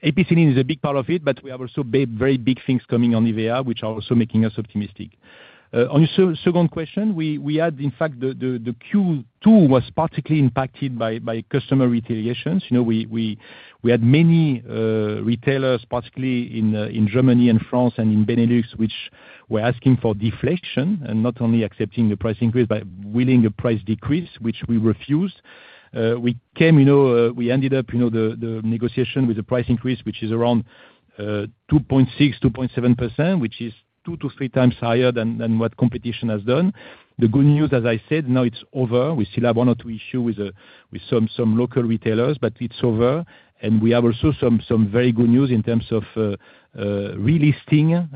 EPICELLINE is a big part of it. We have also very big things coming on NIVEA which are also making us optimistic. On your second question, we had, in fact, the Q2 was particularly impacted by customer retaliations. We had many retailers, particularly in Germany and France and in Benelux, which were asking for deflection and not only accepting the price increase but willing a price. Decrease, which we refused. We ended up the negotiation with the price increase, which is around 2.6%-2.7%, which is 2x-3x higher than what competition has done. The good news, as I said, now it's over. We still have one or two issues with some local retailers, but it's over. We have also some very good news in terms of relisting.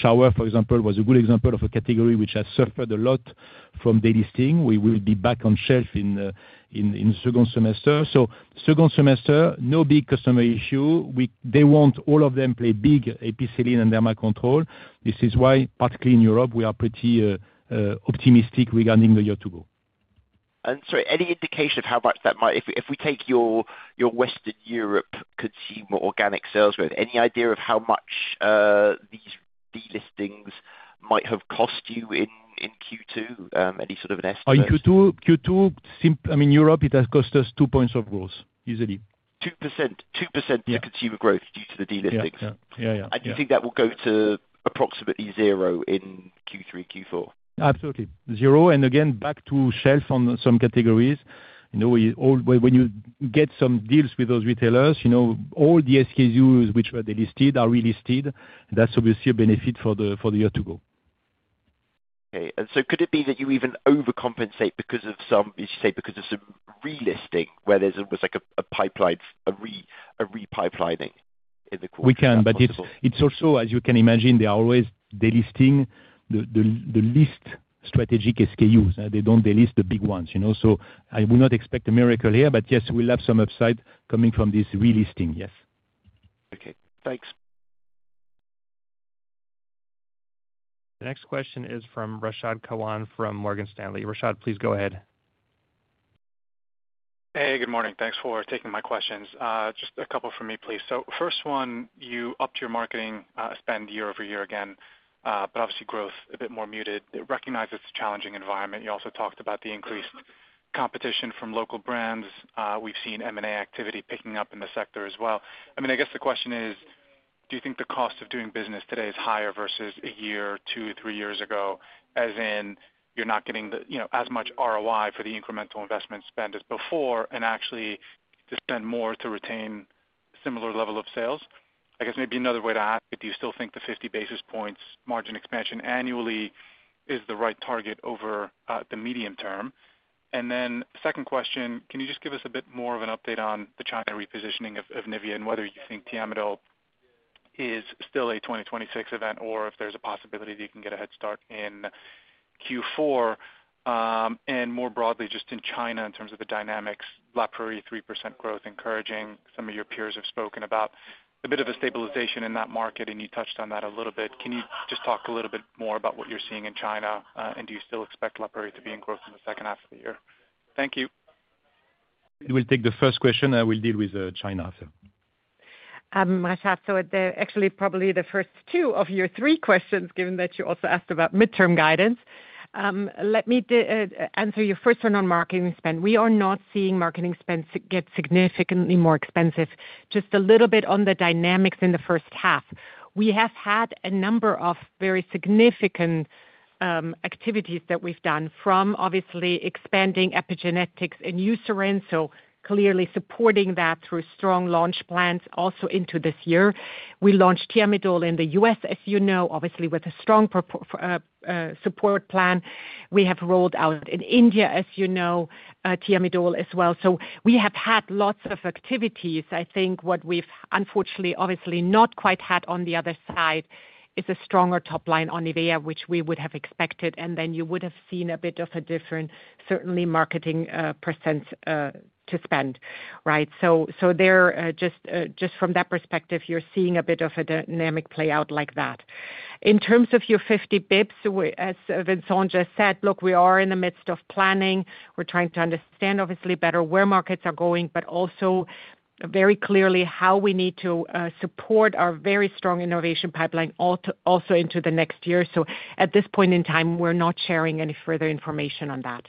Shower, for example, was a good example of a category which has suffered a lot from delisting. We will be back on shelf in the second semester. No big customer issue. They want all of them play big epic under my control. This is why particularly in Europe, we are pretty optimistic regarding the year to go. Is there any indication of how much that might, if we take your Western Europe consumer organic sales growth, any idea of how much these delistings might have cost you in Q2, any sort of an estimate? Q2? Europe has cost us 2 points of growth, easily 2% consumer. Growth due to the delisting. I do think that will go to approximately zero in Q3, Q4, absolutely zero. Again, back to shelf on some categories. When you get some deals with those retailers, all the SKUs which were delisted are relisted. That's obviously a benefit for the year to go. Could it be that you. Even overcompensate because of some, you say. Because of some relisting where there's like a pipeline, a repipelining in the quarter? We can. As you can imagine, they are always delisting the least strategic SKUs. They don't delist the big ones, you know. I would not expect a miracle here, but yes, we'll have some upside coming from this relisting. Yes. Okay, thanks. The next question is from Rashad Kawan from Morgan Stanley. Rashad, please go ahead. Hey, good morning. Thanks for taking my questions. Just a couple for me, please. First one, you upped your marketing spend year over year again, but obviously growth a bit more muted. Recognize it's a challenging environment. You also talked about the increased competition from local brands. We've seen M&A activity picking up in the sector as well. I mean, I guess the question is do you think the cost of doing business today is higher versus a year, two, three years ago, as in you're not getting as much ROI for the incremental investment spend as before and actually to spend more to retain similar level of sales. I guess maybe another way to ask, do you still think the 50 bps margin expansion annually is the right target over the medium term? Second question, can you just give us a bit more of an update on the China repositioning of NIVEA and whether you think Thiamidol is still a 2026 event or if there's a possibility that you can get a head start in Q4 and more broadly just in China in terms of the dynamics, lap 3% growth encouraging. Some of your peers have spoken about a bit of a stabilization in that market and you touched on that a little bit. Can you just talk a little bit more about what you're seeing in China and do you still expect La Prairie to be in growth in the second half of the year? Thank you. We'll take the first question. I will deal with China. Rashad, actually probably the first two of your three questions. Given that you also asked about midterm guidance, I want to answer your first one on marketing spend. We are not seeing marketing spend get significantly more expensive. Just a little bit on the dynamics in the first half, we have had a number of very significant activities that we've done from obviously expanding epigenetics and Eucerin, so clearly supporting that through strong launch plans. Also into this year we launched Thiamidol in the U.S., as you know, obviously with a strong support plan. We have rolled out in India, as you know, Thiamidol as well. We have had lots of activities. I think what we've unfortunately obviously not quite had on the other side is a stronger top line on NIVEA, which we would have expected and then you would have seen a bit of a difference, certainly marketing percentage to spend. Right. There, just from that perspective, you're seeing a bit of a dynamic play out like that in terms of your 50 bps. As Vincent just said, look, we are in the midst of planning. We're trying to understand obviously better where markets are going but also very clearly how we need to support our very strong innovation pipeline also into the next year. At this point in time we're not sharing any further information on that.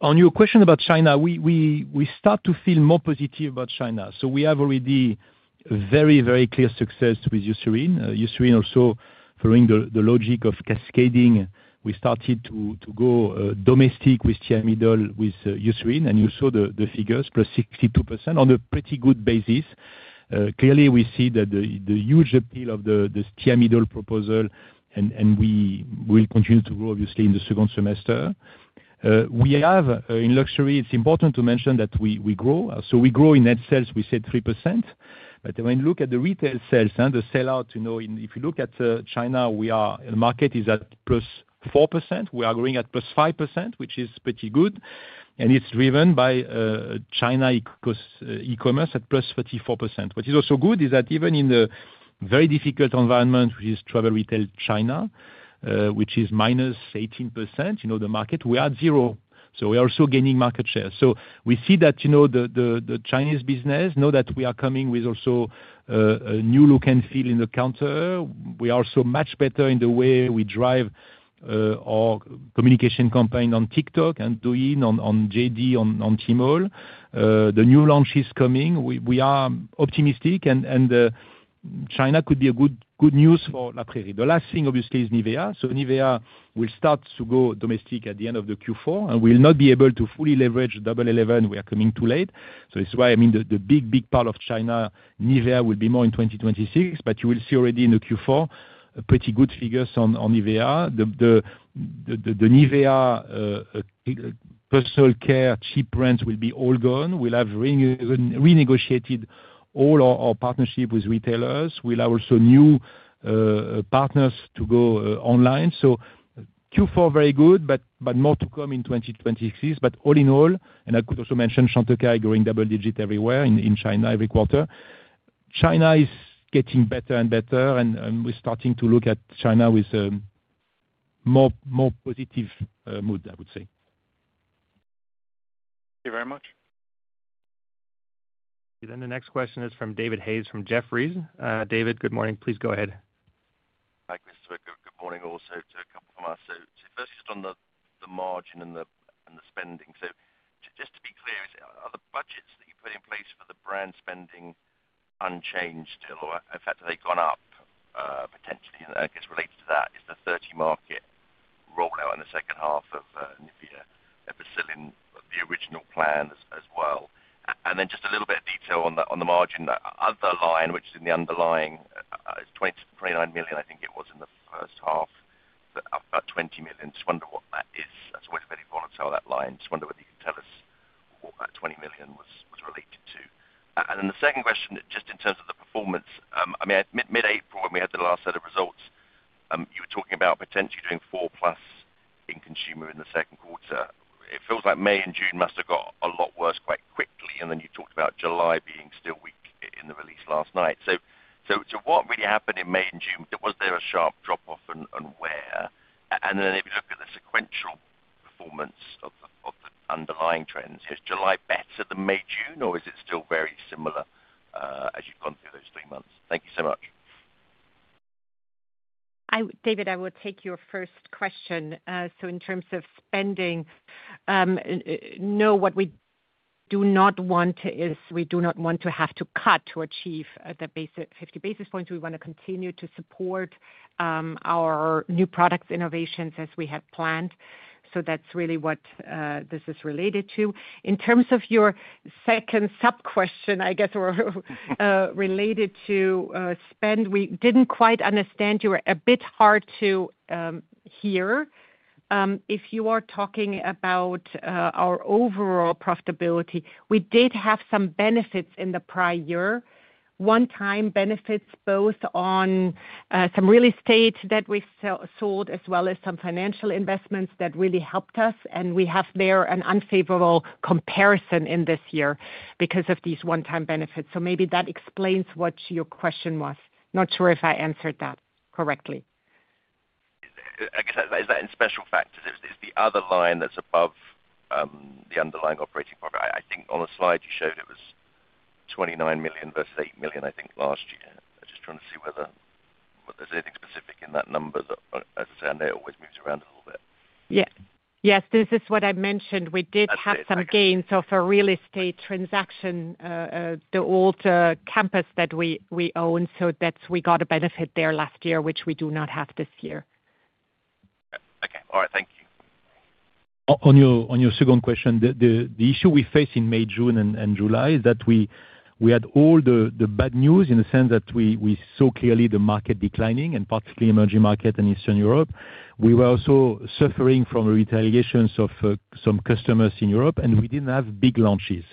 On your question about China, we start to feel more positive about China. We have already very, very clear success with Eucerin. Eucerin also following the logic of cascading, we started to go domestic with Thiamidol with Eucerin and you saw the figures, +62% on a pretty good basis. Clearly, we see the huge upheaval of the Thiamidol proposal and we will continue to grow. Obviously, in the second semester we have in luxury, it's important to mention that we grow. We grow in net sales. We said 3%, but when you look at the retail sales and the sellout, if you look at China, the market is at +4%. We are growing at +5%, which is pretty good, and it's driven by China e-commerce at +34%, which is also good. Even in the very difficult environment, which is travel retail China, which is -18% the market, we are at zero. We are also gaining market share. We see that the Chinese business knows that we are coming with also a new look and feel in the counter. We are also much better in the way we drive our communication campaign on TikTok and Douyin, on JD, on Tmall. The new launch is coming, we are optimistic, and China could be a good news for La Prairie. The last thing obviously is NIVEA. NIVEA will start to go domestic at the end of Q4 and we will not be able to fully leverage Double 11. We are coming too late. The big, big part of China NIVEA will be more in 2026, but you will see already in Q4 pretty good figures on NIVEA. The NIVEA personal care cheap brands will be all gone. We'll have renegotiated all our partnership with retailers. We'll have also new partners to go online. Q4 very good, but more to come in 2026. All in all, and I could also mention Chantecaille growing double digit everywhere in China every quarter. China is getting better and better and we're starting to look at China with more positive mood, I would say. Thank you very much. The next question is from David Hayes from Jefferies. David, good morning. Please go ahead. Hi Chris, good morning. Also to a couple of us, first on the margin and the spending. Just to be clear, are the budgets that you put in place for the brand spending unchanged still, or in fact have they gone up potentially? I guess related to that is the 30 market rollout in the second half of NIVEA EPICELLINE, the original plan as well. Just a little bit of detail on the margin other line, which is in the underlying 29 million. I think it was in the first half about 20 million. Just wonder what that is. So many volatile that line. Just wonder whether you could tell us what the 20 million was related to. The second question, just in terms of the performance, I mean mid-April when we had the last set of results, you were talking about potentially doing 4%+ in Consumer in the second quarter. It feels like May and June must have got a lot worse quite quickly. You talked about July being still weak in the release last night. What really happened in May and June? Was there a sharp drop off and where? If you look at the sequential performance of the underlying trends, is July better than May, June, or is it still very similar as you've gone through those three months? Thank you so much. David, I will take your first question. In terms of spending, no, what we do not want is we do not want to have to cut to achieve the basic 50 basis points. We want to continue to support our new products innovations as we had planned. That's really what this is related to. In terms of your second sub question, I guess related to spend, we didn't quite understand. You were a bit hard to hear if you are talking about our overall profitability. We did have some benefits in the prior year, one-time benefits both on some real estate that we sold as well as some financial investments that really helped us. We have there an unfavorable comparison in this year because of these one-time benefits. Maybe that explains what your question was. Not sure if I answered that correctly. Is that in special factors, is the other line that's above the underlying operating profit? I think on a slide you showed it was 29 million versus 8 million last year. I just want to see whether there's anything specific in that number. As I said, it always moves around a little bit. Yeah. Yes, this is what I mentioned. We did have some gains of a real estate transaction, the Old Campus that we own. We got a benefit there last year, which we do not have this year. Okay. All right, thank you. On your second question, the issue we face in May, June, and July is that we had all the bad news in the sense that we saw clearly the market declining, and particularly emerging market in Eastern Europe. We were also suffering from retaliations of some customers in Europe, and we didn't have big launches.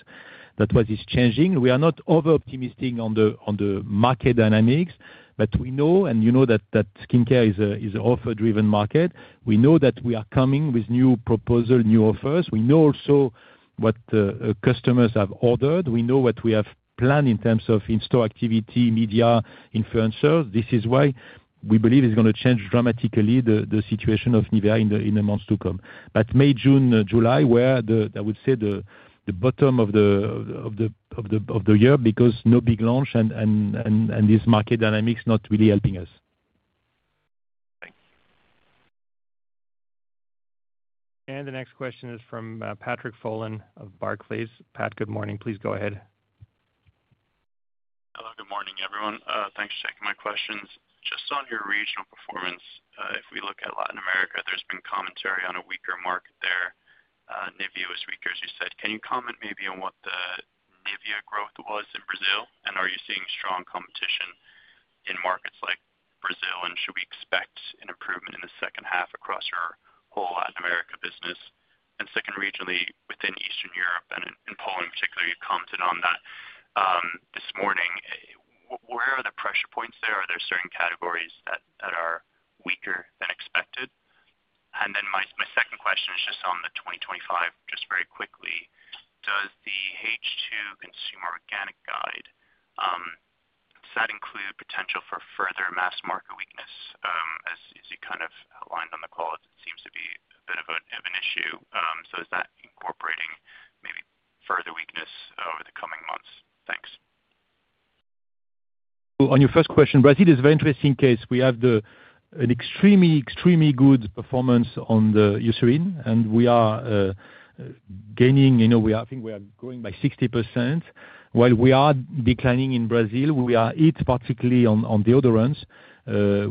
That was changing. We are not over optimistic on the market dynamics, but we know and you know that skin care is an offer driven market. We know that we are coming with new proposal, new offers. We know what customers have ordered, we know what we have planned in terms of in-store activity, media, influencers. This is why we believe it's going to change dramatically the situation of NIVEA in the months to come. May, June, July were the bottom of the year because no big launch and these market dynamics not really helping us. Thanks. The next question is from Patrick Folan of Barclays. Pat, good morning. Please go ahead. Hello. Good morning everyone. Thanks for checking my questions. Just on your regional performance, if we look at Latin America, there's been commentary on a weaker market there. NIVEA was weaker as you said. Can you comment maybe on what the NIVEA growth was in Brazil and are you seeing strong competition in markets like Brazil and should we expect an improvement in the second half across your whole Latin America business? Second, regionally within Eastern Europe and Poland particularly, you commented on that this morning. Where are the pressure points there? Are there certain categories that are weaker than expected? My second question is just on 2025, just very quickly, does the H2 consumer organic guide include potential for further mass market weakness as you kind of outlined on the quality seems to be a bit of an issue. Is that incorporating maybe further weakness over the coming months? Thanks. On your first question, Brazil, it's a very interesting case. We have an extremely, extremely good performance on the Eucerin and we are gaining, you know, we are, I think we are growing by 60% while we are declining in Brazil. We are hit particularly on deodorants.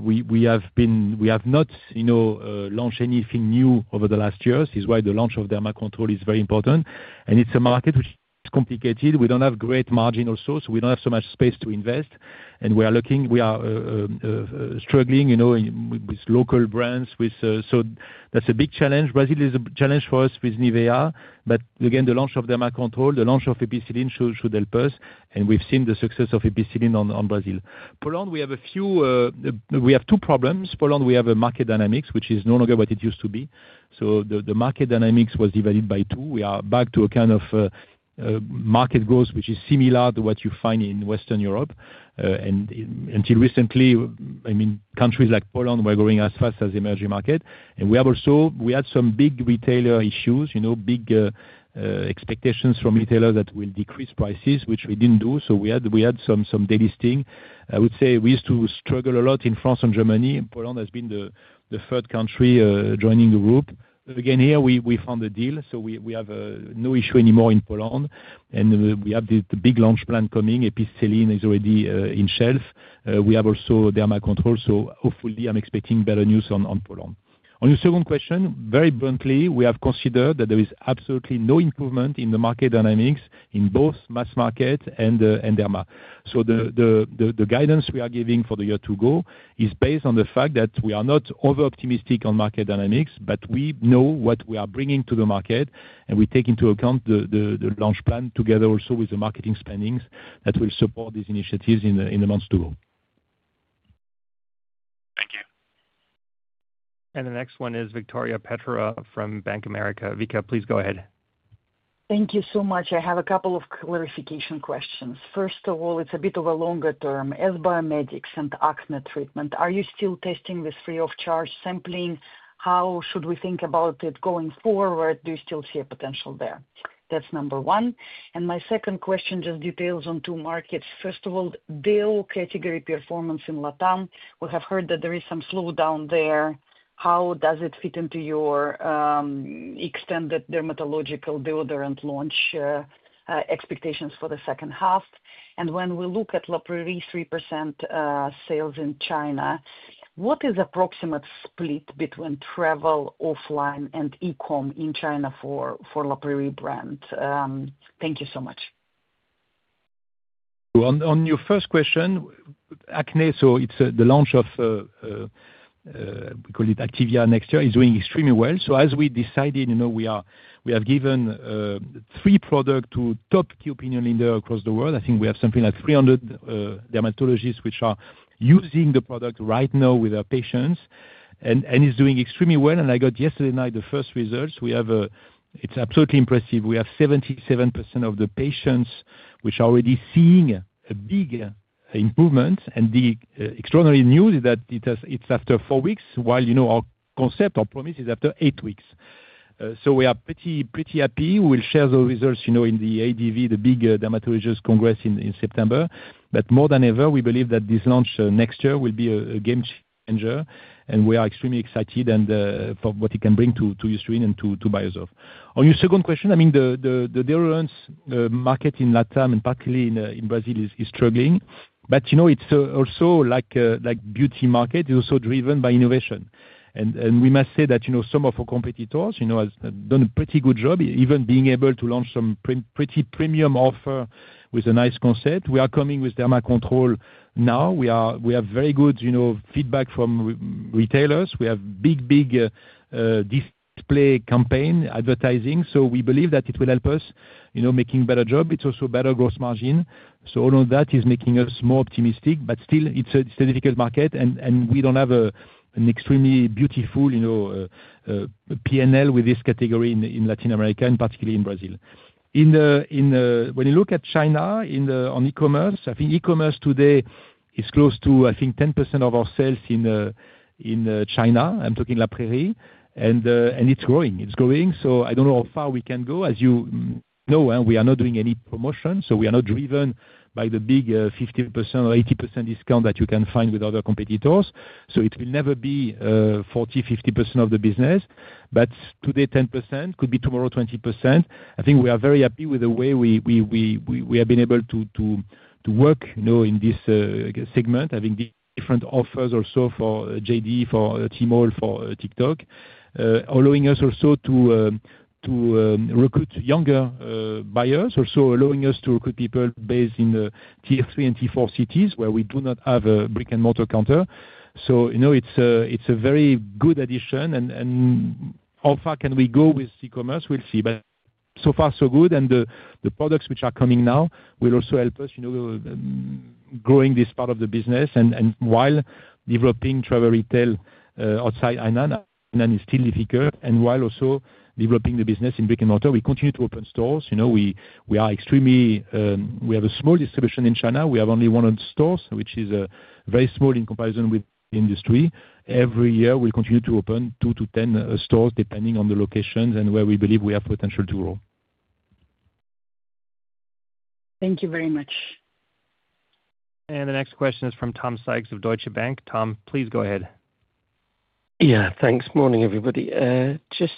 We have not, you know, launched anything new over the last years. That is why the launch of Derma Control is very important and it's a market which is complicated. We don't have great margin also, so we don't have so much space to invest and we are looking, we are struggling with local brands. That's a big challenge. Brazil is a challenge for us with NIVEA. Again, the launch of Derma Control, the launch of EPICELLINE should help us. We've seen the success of EPICELLINE on Brazil. Poland, we have a few. We have two problems. Poland, we have a market dynamics which is no longer what it used to be. The market dynamics was divided by two. We are back to a kind of market growth which is similar to what you find in Western Europe. Until recently, I mean, countries like Poland were growing as fast as emerging market. We have also, we had some big retailer issues, you know, big expectations from retailers that we will decrease prices, which we didn't do. We had some delisting, I would say. We used to struggle a lot in France and Germany. Poland has been the third country joining the world again. Here we found a deal. We have no issue anymore in Poland. We have the big launch plan coming. EPICELLINE is already on shelf. We have also Derma Control. Hopefully, I'm expecting better news on Poland. On your second question, very bluntly, we have considered that there is absolutely no improvement in the market dynamics in both mass market and Derma. The guidance we are giving for the year to go is based on the fact that we are not over optimistic on market dynamics, but we know what we are bringing to the market and we take into account the launch plan together also with the marketing spendings that will support these initiatives in. Thank you. The next one is Victoria Petrova from Bank of America. Victoria, please go ahead. Thank you so much. I have a couple of clarification questions. First of all, it's a bit of a longer term as biomedics and acne treatment. Are you still testing this free of charge sampling? How should we think about it going forward? Do you still see a potential there? That's number one. My second question, just details on two markets. First of all, Dale category performance in Latin America. We have heard that there is some slowdown there. How does it fit into your extended dermatological deodorant launch expectations for the second half? When we look at La Prairie 3% sales in China, what is the approximate split between travel, offline, and e-commerce in China for the La Prairie brand? Thank you so much. On your first question, acne. So it's the launch of, we call it Activa, next year is doing extremely well. As we decided, we have given three products to top key opinion leaders across the world. I think we have something like 300 dermatologists which are using the product right now with our patients and it is doing extremely well. I got yesterday night the first results we have. It's absolutely impressive. We have 77% of the patients which are already seeing a big improvement. The extraordinary news is that it's after four weeks while our concept, our promise is after eight weeks. We are pretty happy. We'll share those results in the big Dermatologist Congress in September. More than ever, we believe that this launch next year will be a game changer and we are extremely excited for what it can bring to your skin and to Beiersdorf. On your second question, I mean the Derma market in Latin America and particularly in Brazil is struggling, but it's also like beauty market, also driven by innovation. We must say that some of our competitors have done a pretty good job, even being able to launch some pretty premium offers with a nice concept. We are coming with Derma Control now. We have very good feedback from retailers. We have big, big display campaign advertising. We believe that it will help us make a better job. It's also better gross margin. All of that is making us more optimistic. Still, it's a difficult market and we don't have an extremely beautiful P&L with this category in Latin America and particularly in Brazil. When you look at China on e-commerce, I think e-commerce today is close to, I think, 10% of our sales in China. I'm talking La Prairie and it's growing, it's growing. I don't know how far we can go. As you know, we are not doing any promotion, so we are not driven by the big 50% or 80% discount that you can find with other competitors. It will never be 40%, 50% of the business. Today 10% could be tomorrow 20%. I think we are very happy with the way we have been able to work in this segment, having different offers also for JD, for Tmall, for TikTok, allowing us also to recruit younger buyers, also allowing us to recruit people based in the tier 3 and tier 4 cities where we do not have a brick and mortar counter. It's a very good addition. How far can we go with e-commerce? We'll see. So far so good. The products which are coming now will also help us growing this part of the business. While developing travel retail outside Hainan is still difficult and while also developing the business in brick and mortar, we continue to open stores. We are extremely, we have a small distribution in China. We have only one store which is very small in comprise of with industry. Every year we continue to open two to 10 stores depending on the locations and where we believe we have potential to grow. Thank you very much. The next question is from Tom Syke of Deutsche Bank. Thanks. Morning everybody. Just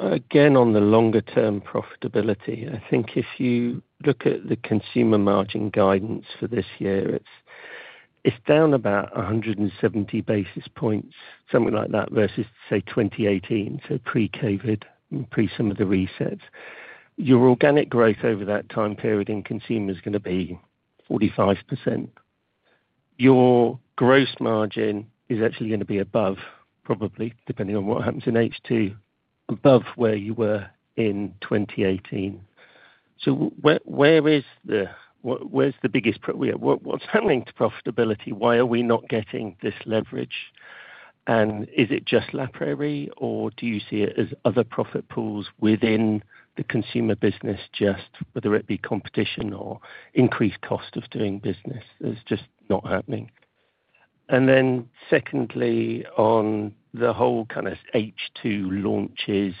again on the longer term profitability, I think if you look at the consumer margin guidance for this year, it's down about 170 basis points, something like that versus, say, 2018. Pre-COVID, pre some of the resets, your organic growth over that time period in consumer is going to be 45%. Your gross margin is actually going to be above, probably depending on what happens in H2, above where you were in 2018. Where's the biggest, what's happening to profitability? Why are we not getting this leverage and is it just La Prairie or do you see it as other profit pools within the consumer business? Whether it be competition or increased cost of doing business, it's just not happening. Secondly, on the whole kind of H2 launches,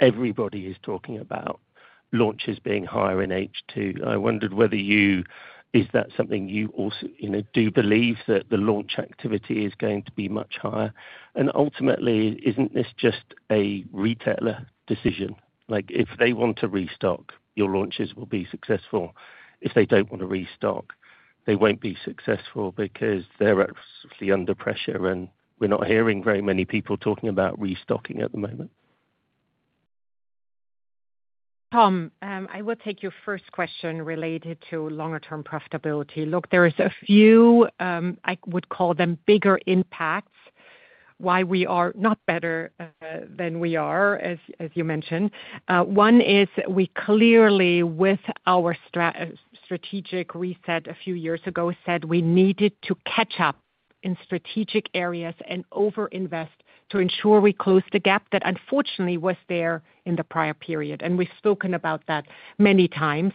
everybody is talking about launches being higher in H2. I wondered whether you, is that something you also do believe, that the launch activity is going to be much higher? Ultimately, isn't this just a retailer decision? If they want to restock, your launches will be successful. If they don't want to restock, they won't be successful because they're absolutely under pressure and we're not hearing very many people talking about restocking at the moment. Tom, I will take your first question related to longer term profitability. Look, there are a few, I would call them bigger impact impacts why we are not better than we are as you mentioned. One is we clearly with our strategic reset a few years ago said we needed to catch up in strategic areas and overinvest to ensure we close the gap that unfortunately was there in the prior period and we've spoken about that many times.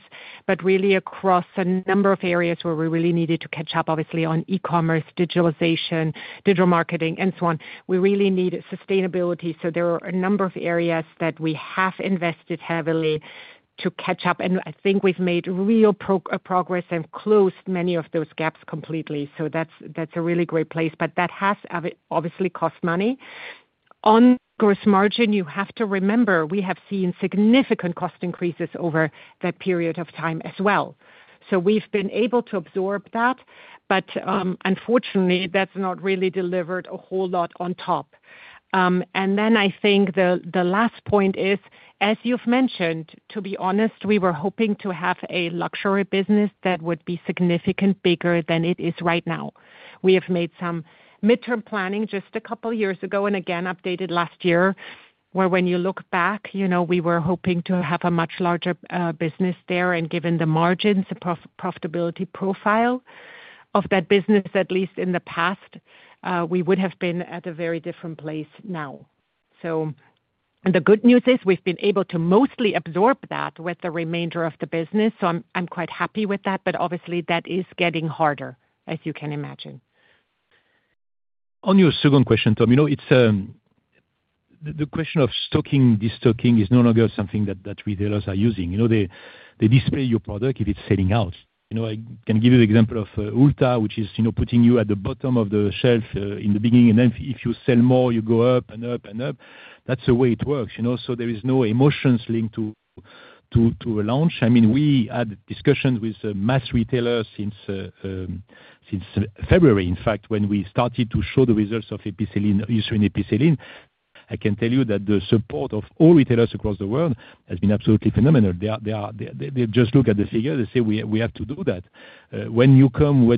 Really, across a number of areas where we really needed to catch up, obviously on e-commerce, digitalization, digital marketing and so on, we really needed sustainability. There are a number of areas that we have invested heavily to catch up and I think we've made real progress and closed many of those gaps completely. That's a really great place. That has obviously cost money on gross margin. You have to remember we have seen significant cost increases over that period of time as well. We've been able to absorb that. Unfortunately, that's not really delivered a whole lot on top. I think the last point is, as you've mentioned, to be honest, we were hoping to have a luxury business that would be significantly bigger than it is right now. We have made some midterm planning just a couple years ago and again updated last year where, when you look back, we were hoping to have a much larger business there. Given the margins, the profitability profile of that business, at least in the past, we would have been at a very different place now. The good news is we've been able to mostly absorb that with the remainder of the business. I'm quite happy with that. Obviously, that is getting harder, as you can imagine. On your second question, Tom, it's the question of stocking. Destocking is no longer something that retailers are using. They display your product if it's selling out. I can give you the example of Ulta, which is putting you at the bottom of the shelf in the beginning, and then if you sell more, you go up and up and up. That's the way it works. There is no emotions linked to a launch. We had discussions with mass retailers since February, in fact, when we started to show the results of Eucerin EPICELLINE. I can tell you that the support of all retailers across the world has been absolutely phenomenal. They just look at the figure. They say we have to do that. When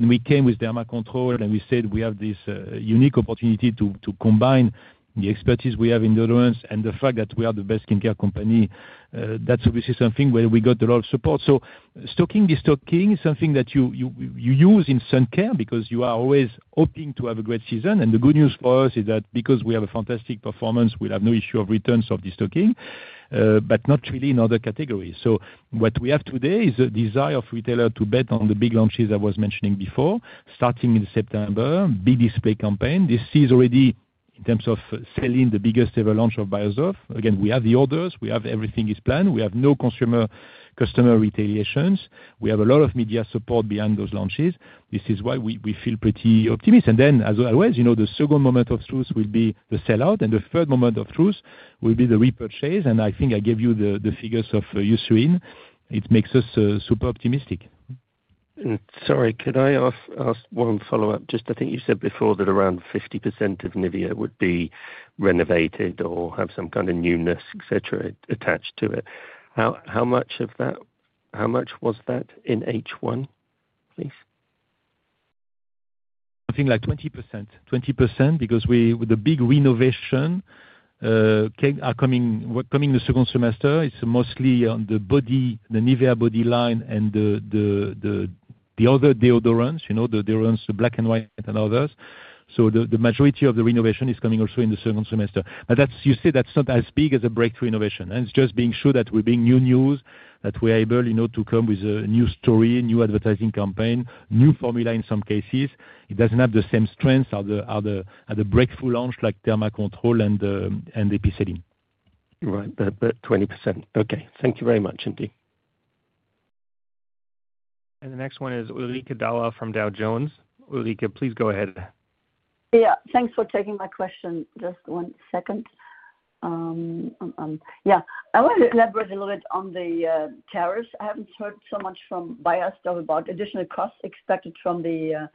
we came with Derma Control and we said we have this unique opportunity to combine the expertise we have in the Lawrence and the fact that we are the best skincare company, that's obviously something where we got a lot of support. Stocking destocking is something that you use in Sun Care because you are always hoping to have a great season. The good news for us is that because we have a fantastic performance, we'll have no issue of returns of destocking but not really in other categories. What we have today is a desire of retailer to bet on the big launches. I was mentioning before, starting in September, big display campaign. This is already in terms of selling the biggest ever launch of Beiersdorf. We have the orders, everything is planned. We have no customer retaliations. We have a lot of media support behind those launches. This is why we feel pretty optimistic. As always, the second moment of truth will be the sellout and the third moment of truth will be the repurchase. I think I gave you the figures of Eucerin. It makes us super optimistic. Sorry, could I ask one follow-up? Just, I think you said before that around 50% of NIVEA would be renovated or have some kind of newness, et cetera, attached to it. How much was that in H1, please? I think like 20%. 20%. Because the big renovation is coming in the second semester. It's mostly on the body, the NIVEA body line and the other deodorants, you know, the black and white and others. The majority of the renovation is coming also in the second semester. You say that's not as big as a break. It's just being sure that we bring new news, that we're able, you know, to come with a new story, new advertising campaign, new formula. In some cases, it doesn't have the same strengths as the breakthrough launch, like Derma Control deodorants and EPICELLINE. Right. 20%. Thank you very much, Indy. The next one is Ulrike Dauer from Dow Jones. Ulrike, please go ahead. Yeah, thanks for taking my question. I want to elaborate a little bit on the tariffs. I haven't heard so much from Beiersdorf about additional costs expected from the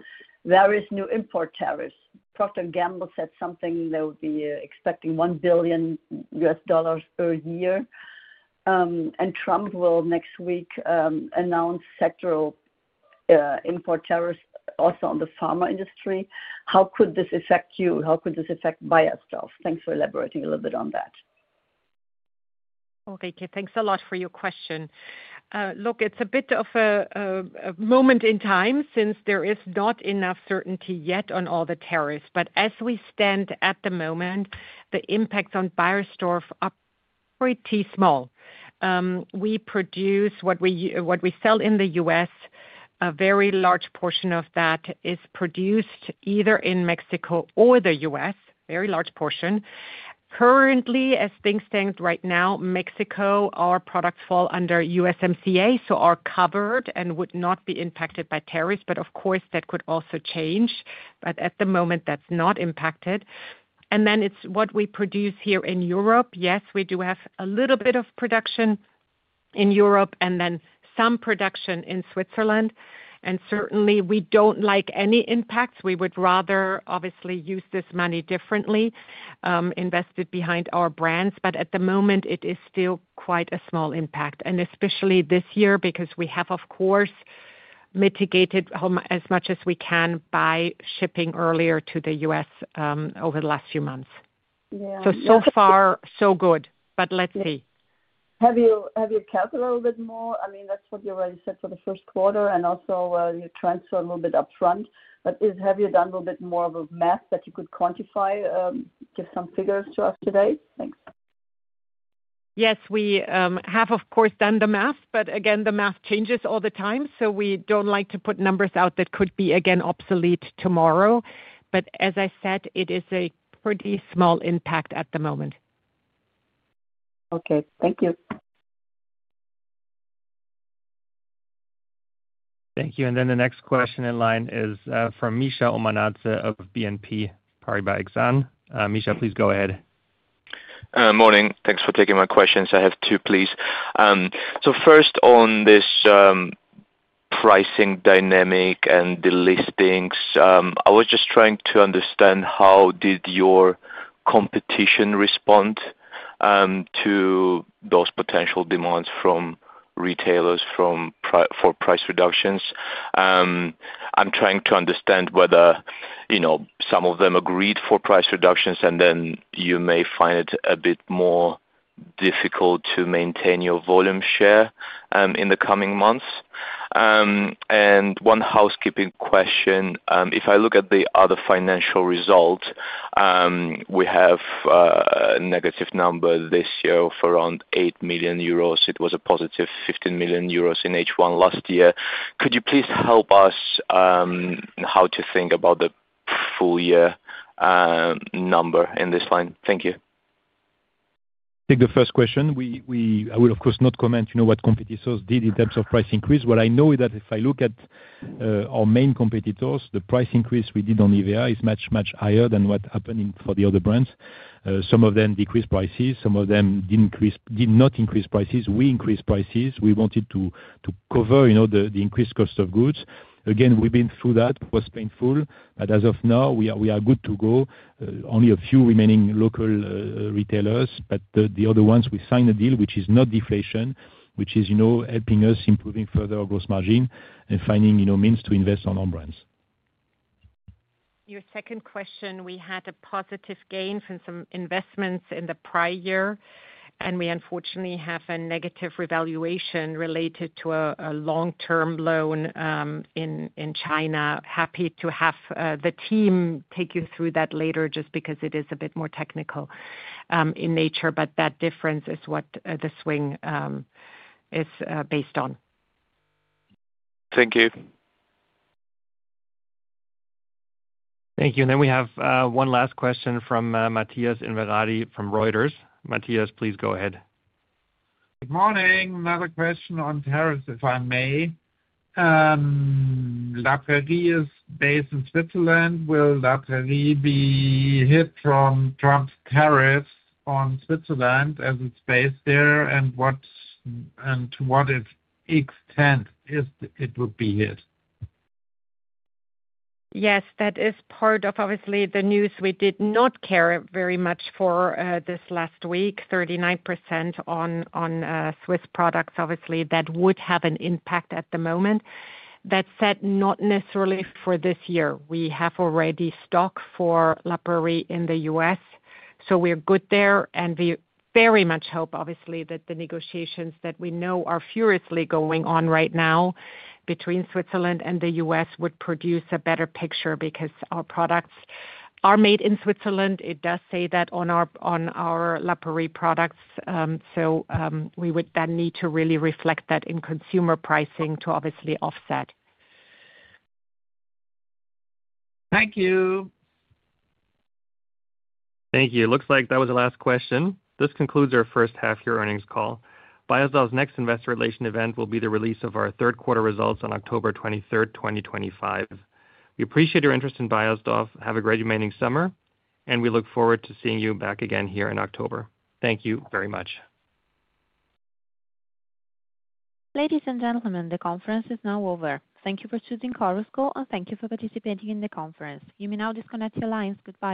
various new import tariffs. Procter & Gamble said something, they would be expecting $1 billion per year and Trump will next week announce sectoral import tariffs also on the pharma industry. How could this affect you? How could you this effect by ourselves? Thanks for elaborating a little bit on that. Okay, thanks a lot for your question. Look, it's a bit of a moment in time since there is not enough certainty yet on all the tariffs. As we stand at the moment, the impacts on Beiersdorf are pretty small. We produce what we sell in the U.S. A very large portion of that is produced either in Mexico or the U.S., very large portion. Currently, as things stand right now, Mexico, our products fall under USMCA, so are covered and would not be impacted by tariffs. Of course, that could also change. At the moment that's not impacted. Then it's what we produce here in Europe. Yes, we do have a little bit of production in Europe and then some production in Switzerland and certainly we don't like any impacts. We would rather obviously use this money differently, invested behind our brands. At the moment it is still quite a small impact and especially this year because we have of course mitigated as much as we can by shipping earlier to the U.S. over the last few months. So far so good. Let's see, have you kept a little bit more. I mean that's what you already said for the first quarter and also your trends are a little bit upfront, but has Beiersdorf done a little bit more of a math that you could quantify, give some figures to ask? Yes, we have of course done the math, but again the math changes all the time. We don't like to put numbers out that could be again obsolete tomorrow. As I said, it is a pretty small impact at the moment. Okay, thank you. Thank you. The next question in line is from Mikheil Omanadze of BNP Paribas Exane. Misha, please go ahead. Morning. Thanks for taking my questions. I have two, please. First, on this pricing dynamic and the listings, I was just trying to understand how did your competition respond to those potential demands from retailers for price reductions. I'm trying to understand whether some of them agreed for price reductions and then you may find it a bit more difficult to maintain your volume share in the coming months. One housekeeping question, if I look at the other financial result, we have a negative number this year of around 8 million euros. It was a +15 million euros in H1 last year. Could you please help us how to think about the full year number in this line? Thank you. Take the first question. I will of course not comment what competitors did in terms of price increase. What I know is that if I look at our main competitors, the price increase we did on EVR is much, much higher than what happened for the other brands. Some of them decreased prices, some of them did not increase prices. We increased prices. We wanted to cover the increased cost of goods. Again, we've been through that, it was painful, but as of now we are good to go. Only a few remaining local retailers, but the other ones we signed a deal which is not deflation, which is helping us improving further gross margin and finding means to invest on our brands. Your second question. We had a positive gain from some investments in the prior year, and we unfortunately have a negative revaluation related to a long-term loan in China. Happy to have the team take you through that later, just because it is a bit more technical in nature, but that difference is what the swing is based on. Thank you. Thank you. We have one last question from Matthias Inverardi from Reuters. Matthias, please go ahead. Good morning. Another question on tariffs if I may. La Prairie is based in Switzerland. Will La Prairie be hit from Trump's tariffs? Tariffs on Switzerland as it's based there. To what extent would it be hit? Yes, that is part of obviously the news. We did not care very much for this last week. 39% on Swiss products, obviously that would have an impact at the moment. That said, not necessarily for this year. We have already stock for La Prairie in the U.S., so we are good there and we very much hope obviously that the negotiations that we know are furiously going on right now between Switzerland and the U.S. would produce a better picture because our products are made in Switzerland. It does say that on our La Prairie products. We would then need to really reflect that in consumer pricing to obviously offset. Thank you. Thank you. Looks like that was the last question. This concludes our first half year earnings call. Beiersdorf's next investor relation event will be the release of our third quarter results on October 23, 2025. We appreciate your interest in Beiersdorf. Have a great remaining summer and we look forward to seeing you back again here in October. October. Thank you very much. Ladies and gentlemen, the conference is now over. Thank you for choosing Chorus Call, and thank you for participating in the conference. You may now disconnect your lines. Goodbye.